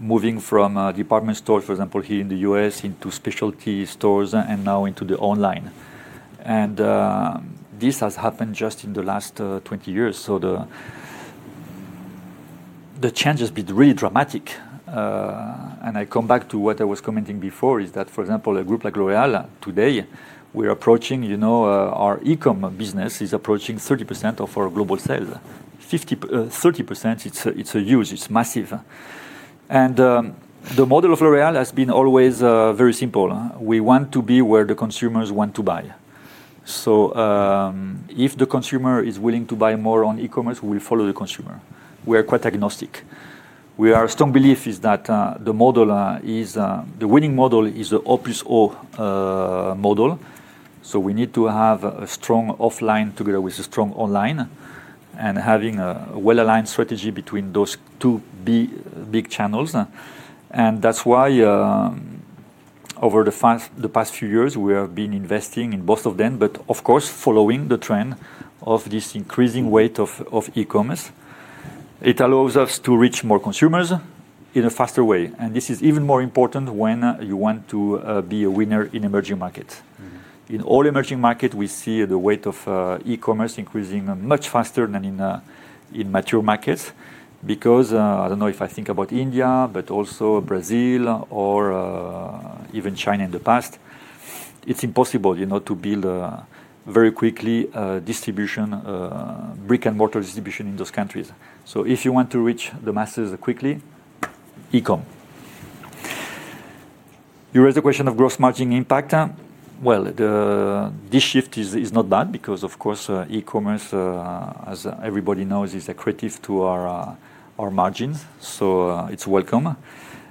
moving from department stores, for example, here in the U.S., into specialty stores and now into the online. This has happened just in the last 20 years. The change has been really dramatic. I come back to what I was commenting before is that, for example, a group like L'Oréal today, our e-comm business is approaching 30% of our global sales. 30% is huge, it's massive. The model of L'Oréal has been always very simple. We want to be where the consumers want to buy. If the consumer is willing to buy more on e-commerce, we will follow the consumer. We are quite agnostic. Our strong belief is that the winning model is the Opus O model. We need to have a strong offline together with a strong online and having a well-aligned strategy between those two big channels. That is why over the past few years, we have been investing in both of them, but of course, following the trend of this increasing weight of e-commerce. It allows us to reach more consumers in a faster way. This is even more important when you want to be a winner in emerging markets. In all emerging markets, we see the weight of e-commerce increasing much faster than in mature markets because I don't know if I think about India, but also Brazil or even China in the past, it's impossible to build very quickly brick-and-mortar distribution in those countries. If you want to reach the masses quickly, e-comm. You raised the question of gross margin impact. This shift is not bad because, of course, e-commerce, as everybody knows, is accretive to our margins. It is welcome.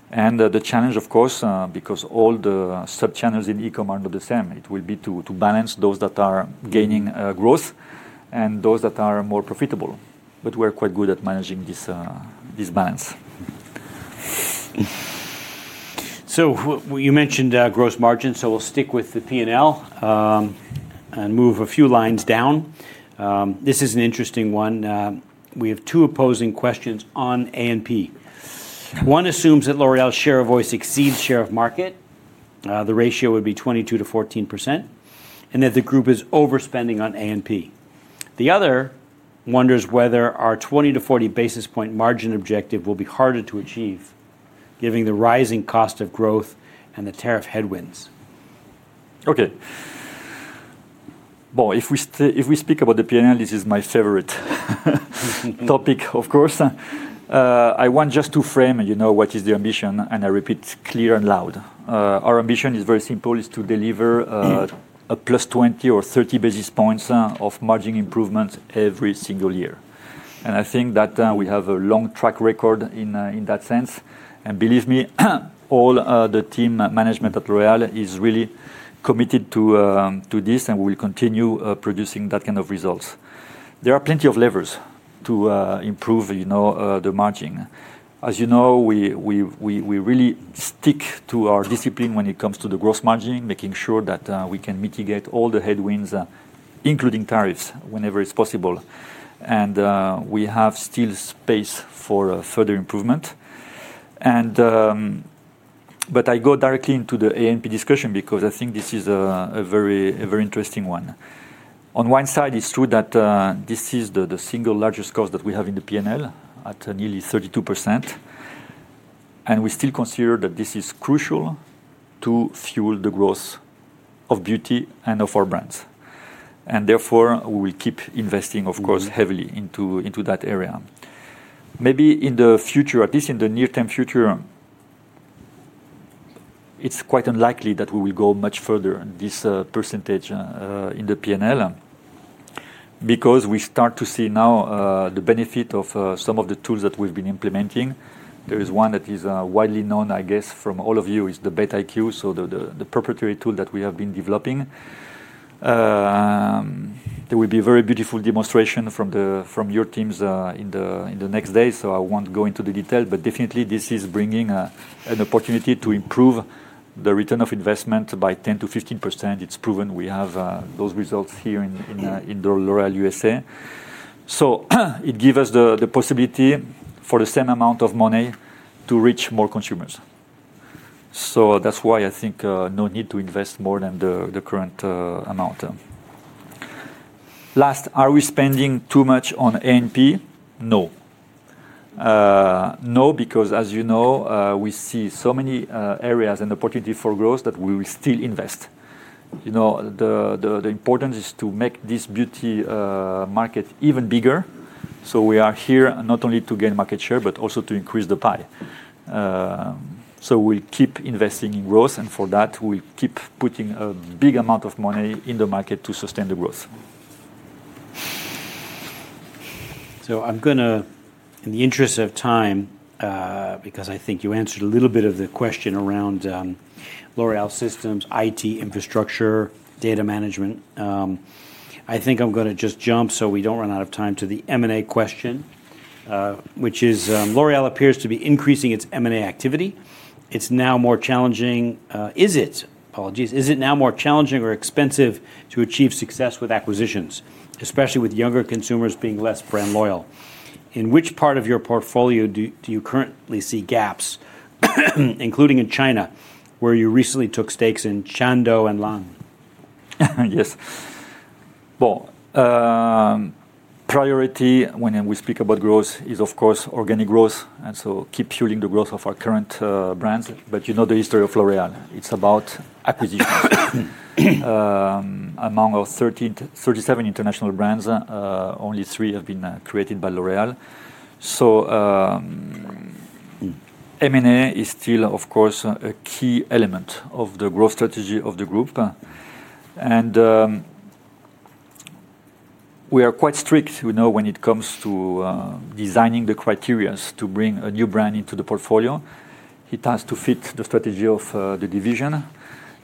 The challenge, of course, because all the sub-channels in e-comm are not the same, it will be to balance those that are gaining growth and those that are more profitable. We're quite good at managing this balance. You mentioned gross margins. We'll stick with the P&L and move a few lines down. This is an interesting one. We have two opposing questions on A&P. One assumes that L'Oréal's share of voice exceeds share of market. The ratio would be 22% 14%, and that the group is overspending on A&P. The other wonders whether our 20%-40% basis point margin objective will be harder to achieve given the rising cost of growth and the tariff headwinds. Okay. If we speak about the P&L, this is my favorite topic, of course. I want just to frame what is the ambition, and I repeat clear and loud. Our ambition is very simple. It's to deliver a plus 20% or 30% basis points of margin improvement every single year. I think that we have a long track record in that sense. Believe me, all the team management at L'Oréal is really committed to this, and we will continue producing that kind of results. There are plenty of levers to improve the margin. As you know, we really stick to our discipline when it comes to the gross margin, making sure that we can mitigate all the headwinds, including tariffs, whenever it's possible. We have still space for further improvement. I go directly into the A&P discussion because I think this is a very interesting one. On one side, it's true that this is the single largest cost that we have in the P&L at nearly 32%. We still consider that this is crucial to fuel the growth of beauty and of our brands. Therefore, we will keep investing, of course, heavily into that area. Maybe in the future, at least in the near-term future, it's quite unlikely that we will go much further in this percentage in the P&L because we start to see now the benefit of some of the tools that we've been implementing. There is one that is widely known, I guess, from all of you, the Beta IQ, so the proprietary tool that we have been developing. There will be a very beautiful demonstration from your teams in the next day. I will not go into the detail. Definitely, this is bringing an opportunity to improve the return of investment by 10%-15%. It is proven we have those results here in L'Oréal USA. It gives us the possibility for the same amount of money to reach more consumers. That is why I think there is no need to invest more than the current amount. Last, are we spending too much on A&P? No. No, because, as you know, we see so many areas and opportunities for growth that we will still invest. The importance is to make this beauty market even bigger. We are here not only to gain market share, but also to increase the pie. We will keep investing in growth. For that, we will keep putting a big amount of money in the market to sustain the growth. I'm going to, in the interest of time, because I think you answered a little bit of the question around L'Oréal systems, IT infrastructure, data management, I think I'm going to just jump so we don't run out of time to the M&A question, which is L'Oréal appears to be increasing its M&A activity. It's now more challenging. Is it? Apologies. Is it now more challenging or expensive to achieve success with acquisitions, especially with younger consumers being less brand loyal? In which part of your portfolio do you currently see gaps, including in China, where you recently took stakes in Chando and Lan? Yes. Priority when we speak about growth is, of course, organic growth. And so keep fueling the growth of our current brands. But you know the history of L'Oréal. It is about acquisitions. Among our 37 international brands, only three have been created by L'Oréal. So M&A is still, of course, a key element of the growth strategy of the group. We are quite strict when it comes to designing the criteria to bring a new brand into the portfolio. It has to fit the strategy of the division.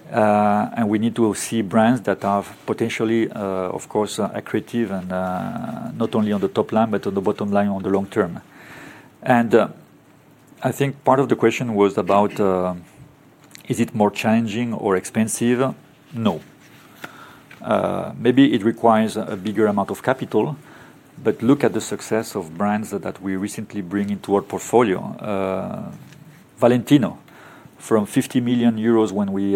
We need to see brands that are potentially, of course, accretive and not only on the top line, but on the bottom line on the long term. I think part of the question was about, is it more challenging or expensive? No. Maybe it requires a bigger amount of capital. Look at the success of brands that we recently bring into our portfolio. Valentino, from 50 million euros when we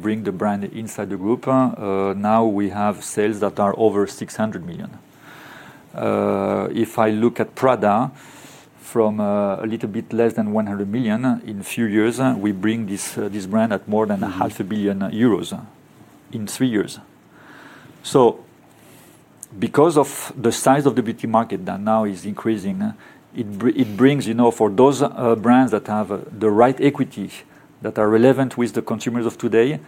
bring the brand inside the group, now we have sales that are over 600 million. If I look at Prada from a little bit less than 100 million, in a few years, we bring this brand at more than 500 million euros in three years. Because of the size of the beauty market that now is increasing, it brings for those brands that have the right equity that are relevant with the consumers of today,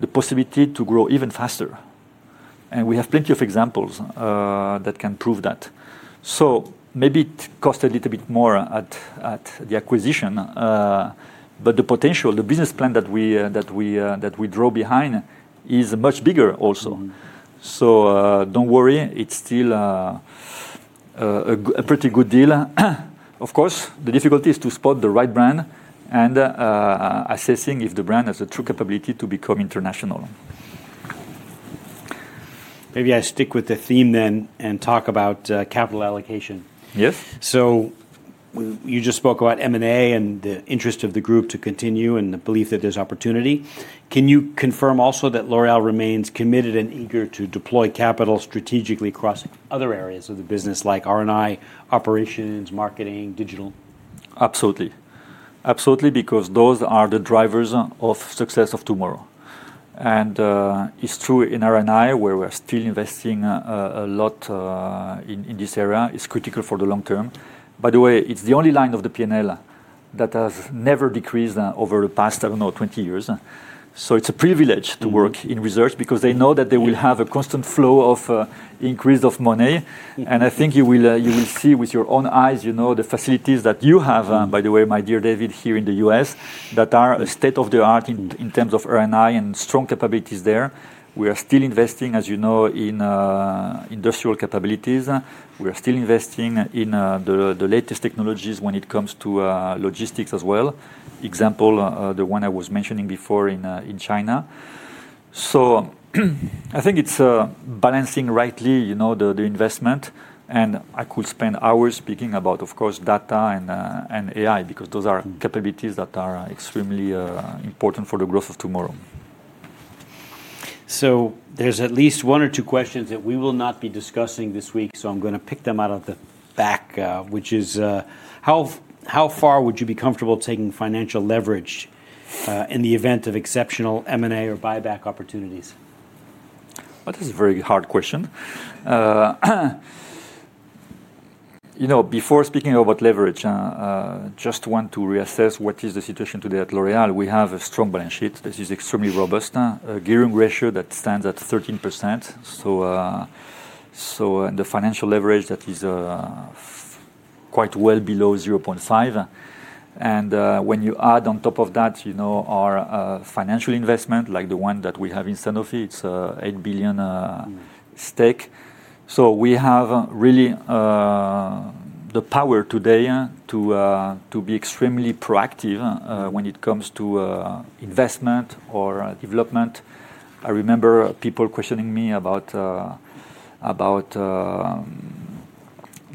the possibility to grow even faster. We have plenty of examples that can prove that. Maybe it cost a little bit more at the acquisition, but the potential, the business plan that we draw behind is much bigger also. Do not worry, it's still a pretty good deal. Of course, the difficulty is to spot the right brand and assessing if the brand has a true capability to become international. Maybe I stick with the theme then and talk about capital allocation. Yes. You just spoke about M&A and the interest of the group to continue and the belief that there's opportunity. Can you confirm also that L'Oréal remains committed and eager to deploy capital strategically across other areas of the business, like R&I, operations, marketing, digital? Absolutely. Absolutely, because those are the drivers of success of tomorrow. It is true in R&I where we're still investing a lot in this area. It is critical for the long term. By the way, it is the only line of the P&L that has never decreased over the past, I don't know, 20 years. It is a privilege to work in research because they know that they will have a constant flow of increase of money. I think you will see with your own eyes the facilities that you have, by the way, my dear David, here in the U.S., that are state-of-the-art in terms of R&I and strong capabilities there. We are still investing, as you know, in industrial capabilities. We are still investing in the latest technologies when it comes to logistics as well. Example, the one I was mentioning before in China. I think it's balancing rightly the investment. I could spend hours speaking about, of course, data and AI because those are capabilities that are extremely important for the growth of tomorrow. There is at least one or two questions that we will not be discussing this week. I am going to pick them out of the back, which is how far would you be comfortable taking financial leverage in the event of exceptional M&A or buyback opportunities? That is a very hard question. Before speaking about leverage, I just want to reassess what is the situation today at L'Oréal. We have a strong balance sheet. This is extremely robust, a gearing ratio that stands at 13%. The financial leverage is quite well below 0.5. When you add on top of that our financial investment, like the one that we have in Sanofi, it's an 8 billion stake. We have really the power today to be extremely proactive when it comes to investment or development. I remember people questioning me about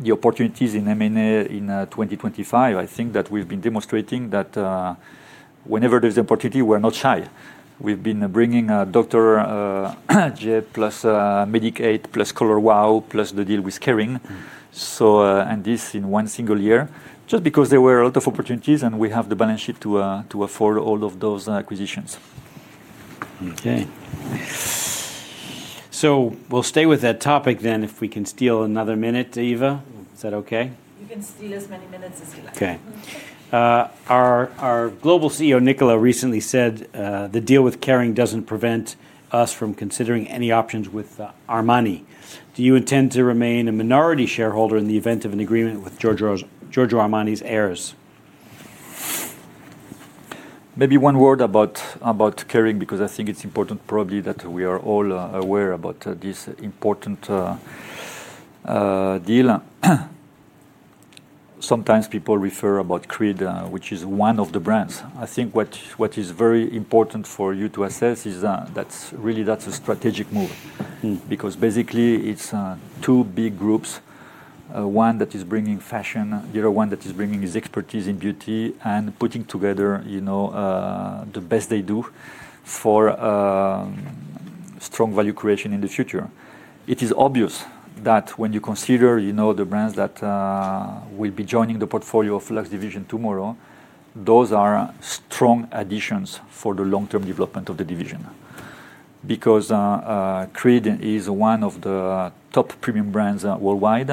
the opportunities in M&A in 2025. I think that we've been demonstrating that whenever there's an opportunity, we're not shy. We've been bringing in Dr. Jart+ plus Medik8 plus Color Wow plus the deal with Kering. This in one single year, just because there were a lot of opportunities and we have the balance sheet to afford all of those acquisitions. Okay. We'll stay with that topic then if we can steal another minute, Eva. Is that okay? You can steal as many minutes as you like. Okay. Our global CEO, Nicolas, recently said the deal with Kering doesn't prevent us from considering any options with Armani. Do you intend to remain a minority shareholder in the event of an agreement with Giorgio Armani's heirs? Maybe one word about Kering, because I think it's important probably that we are all aware about this important deal. Sometimes people refer to Creed, which is one of the brands. I think what is very important for you to assess is that really that's a strategic move, because basically it's two big groups. One that is bringing fashion, the other one that is bringing his expertise in beauty and putting together the best they do for strong value creation in the future. It is obvious that when you consider the brands that will be joining the portfolio of Luxe division tomorrow, those are strong additions for the long-term development of the division. Because Creed is one of the top premium brands worldwide.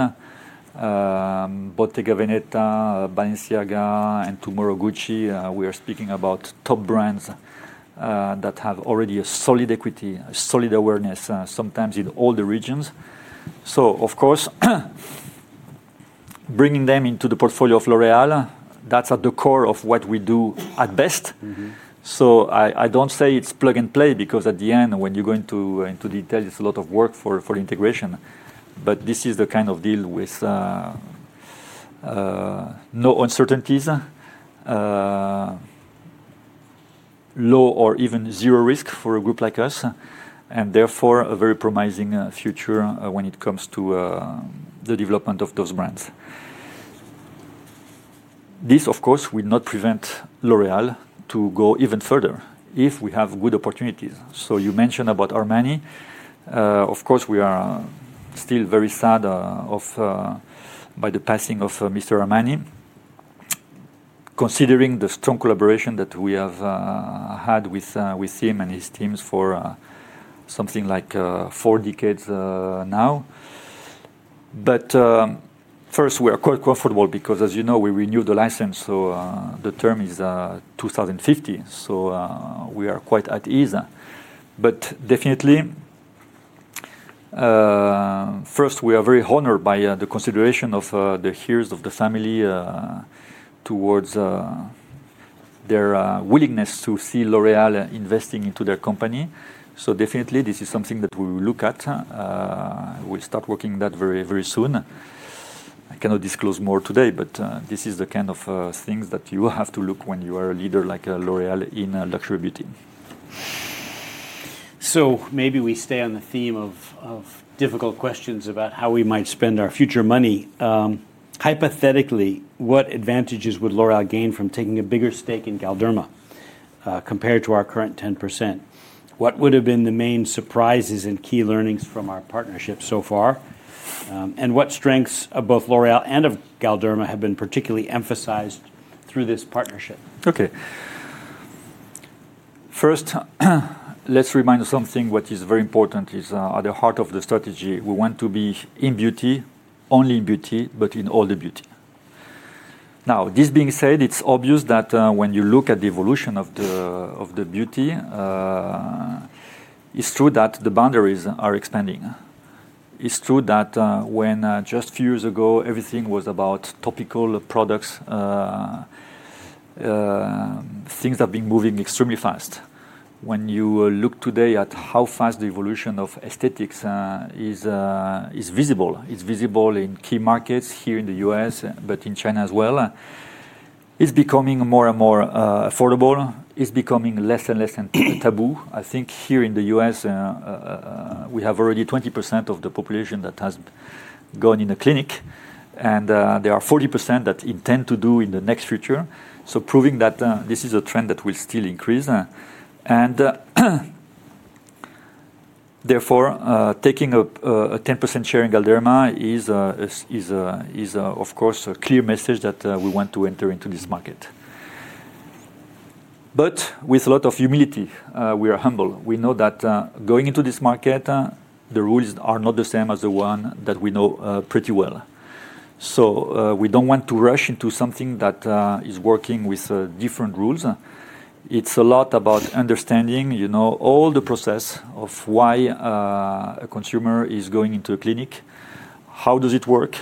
Bottega Veneta, Balenciaga, and tomorrow Gucci, we are speaking about top brands that have already a solid equity, a solid awareness sometimes in all the regions. Of course, bringing them into the portfolio of L'Oréal, that's at the core of what we do at best. I don't say it's plug and play, because at the end, when you go into detail, it's a lot of work for integration. This is the kind of deal with no uncertainties, low or even zero risk for a group like us, and therefore a very promising future when it comes to the development of those brands. This, of course, will not prevent L'Oréal to go even further if we have good opportunities. You mentioned about Armani. Of course, we are still very sad by the passing of Mr. Armani, considering the strong collaboration that we have had with him and his teams for something like four decades now. First, we are quite comfortable because, as you know, we renewed the license. The term is 2050. We are quite at ease. Definitely, first, we are very honored by the consideration of the heirs of the family towards their willingness to see L'Oréal investing into their company. Definitely, this is something that we will look at. We will start working on that very soon. I cannot disclose more today, but this is the kind of things that you have to look at when you are a leader like L'Oréal in luxury beauty. Maybe we stay on the theme of difficult questions about how we might spend our future money. Hypothetically, what advantages would L'Oréal gain from taking a bigger stake in Galderma compared to our current 10%? What would have been the main surprises and key learnings from our partnership so far? What strengths of both L'Oréal and of Galderma have been particularly emphasized through this partnership? Okay. First, let's remind us something which is very important at the heart of the strategy. We want to be in beauty, only in beauty, but in all the beauty. Now, this being said, it's obvious that when you look at the evolution of the beauty, it's true that the boundaries are expanding. It's true that when just a few years ago, everything was about topical products, things have been moving extremely fast. When you look today at how fast the evolution of aesthetics is visible, it's visible in key markets here in the U.S., but in China as well. It's becoming more and more affordable. It's becoming less and less taboo. I think here in the U.S., we have already 20% of the population that has gone in a clinic. There are 40% that intend to do in the next future. Proving that this is a trend that will still increase. Therefore, taking a 10% share in Galderma is, of course, a clear message that we want to enter into this market. With a lot of humility, we are humble. We know that going into this market, the rules are not the same as the ones that we know pretty well. We do not want to rush into something that is working with different rules. It is a lot about understanding all the process of why a consumer is going into a clinic, how does it work,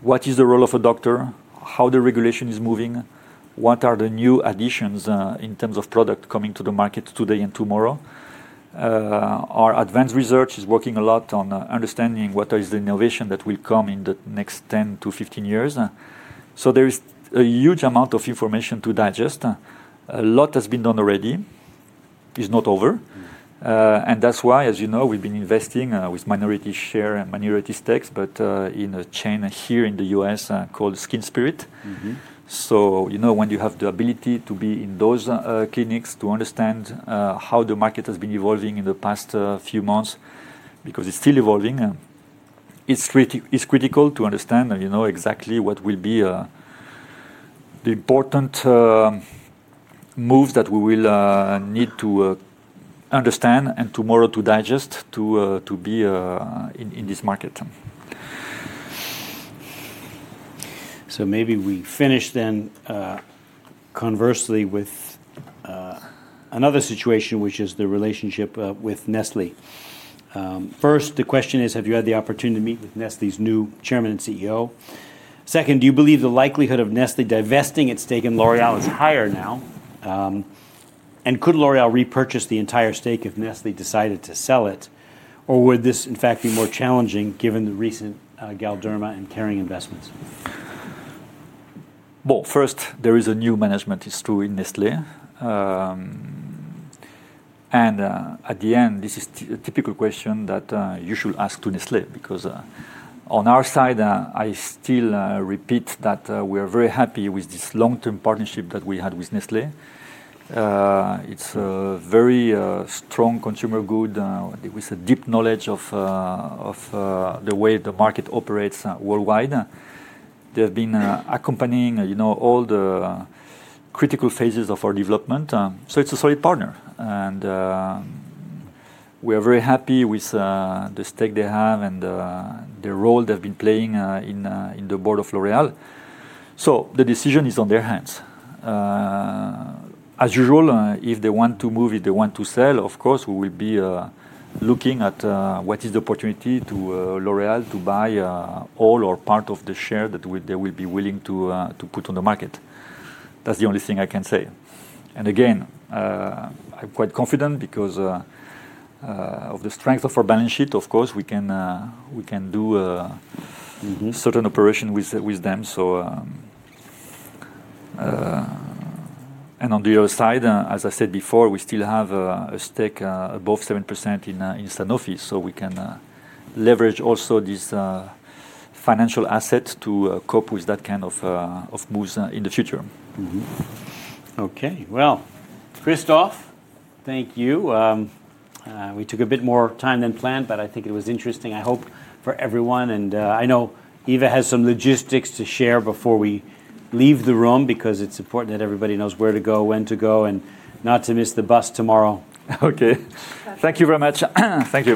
what is the role of a doctor, how the regulation is moving, what are the new additions in terms of product coming to the market today and tomorrow. Our advanced research is working a lot on understanding what is the innovation that will come in the next 10 to 15 years. There is a huge amount of information to digest. A lot has been done already. It's not over. That's why, as you know, we've been investing with minority share and minority stakes, but in a chain here in the U.S. called SkinSpirit. When you have the ability to be in those clinics to understand how the market has been evolving in the past few months, because it's still evolving, it's critical to understand exactly what will be the important moves that we will need to understand and tomorrow to digest to be in this market. Maybe we finish then conversely with another situation, which is the relationship with Nestlé. First, the question is, have you had the opportunity to meet with Nestlé's new chairman and CEO? Second, do you believe the likelihood of Nestlé divesting its stake in L'Oréal is higher now? Could L'Oréal repurchase the entire stake if Nestlé decided to sell it? Would this, in fact, be more challenging given the recent Galderma and Kering investments? There is a new management, it's true, in Nestlé. At the end, this is a typical question that you should ask to Nestlé, because on our side, I still repeat that we are very happy with this long-term partnership that we had with Nestlé. It's a very strong consumer good with a deep knowledge of the way the market operates worldwide. They have been accompanying all the critical phases of our development. It is a solid partner. We are very happy with the stake they have and the role they've been playing in the board of L'Oréal. The decision is on their hands. As usual, if they want to move, if they want to sell, of course, we will be looking at what is the opportunity to L'Oréal to buy all or part of the share that they will be willing to put on the market. That is the only thing I can say. Again, I am quite confident because of the strength of our balance sheet, of course, we can do certain operations with them. On the other side, as I said before, we still have a stake above 7% in Sanofi. We can leverage also this financial asset to cope with that kind of moves in the future. Okay. Christophe, thank you. We took a bit more time than planned, but I think it was interesting. I hope for everyone. I know Eva has some logistics to share before we leave the room because it's important that everybody knows where to go, when to go, and not to miss the bus tomorrow. Okay. Thank you very much. Thank you.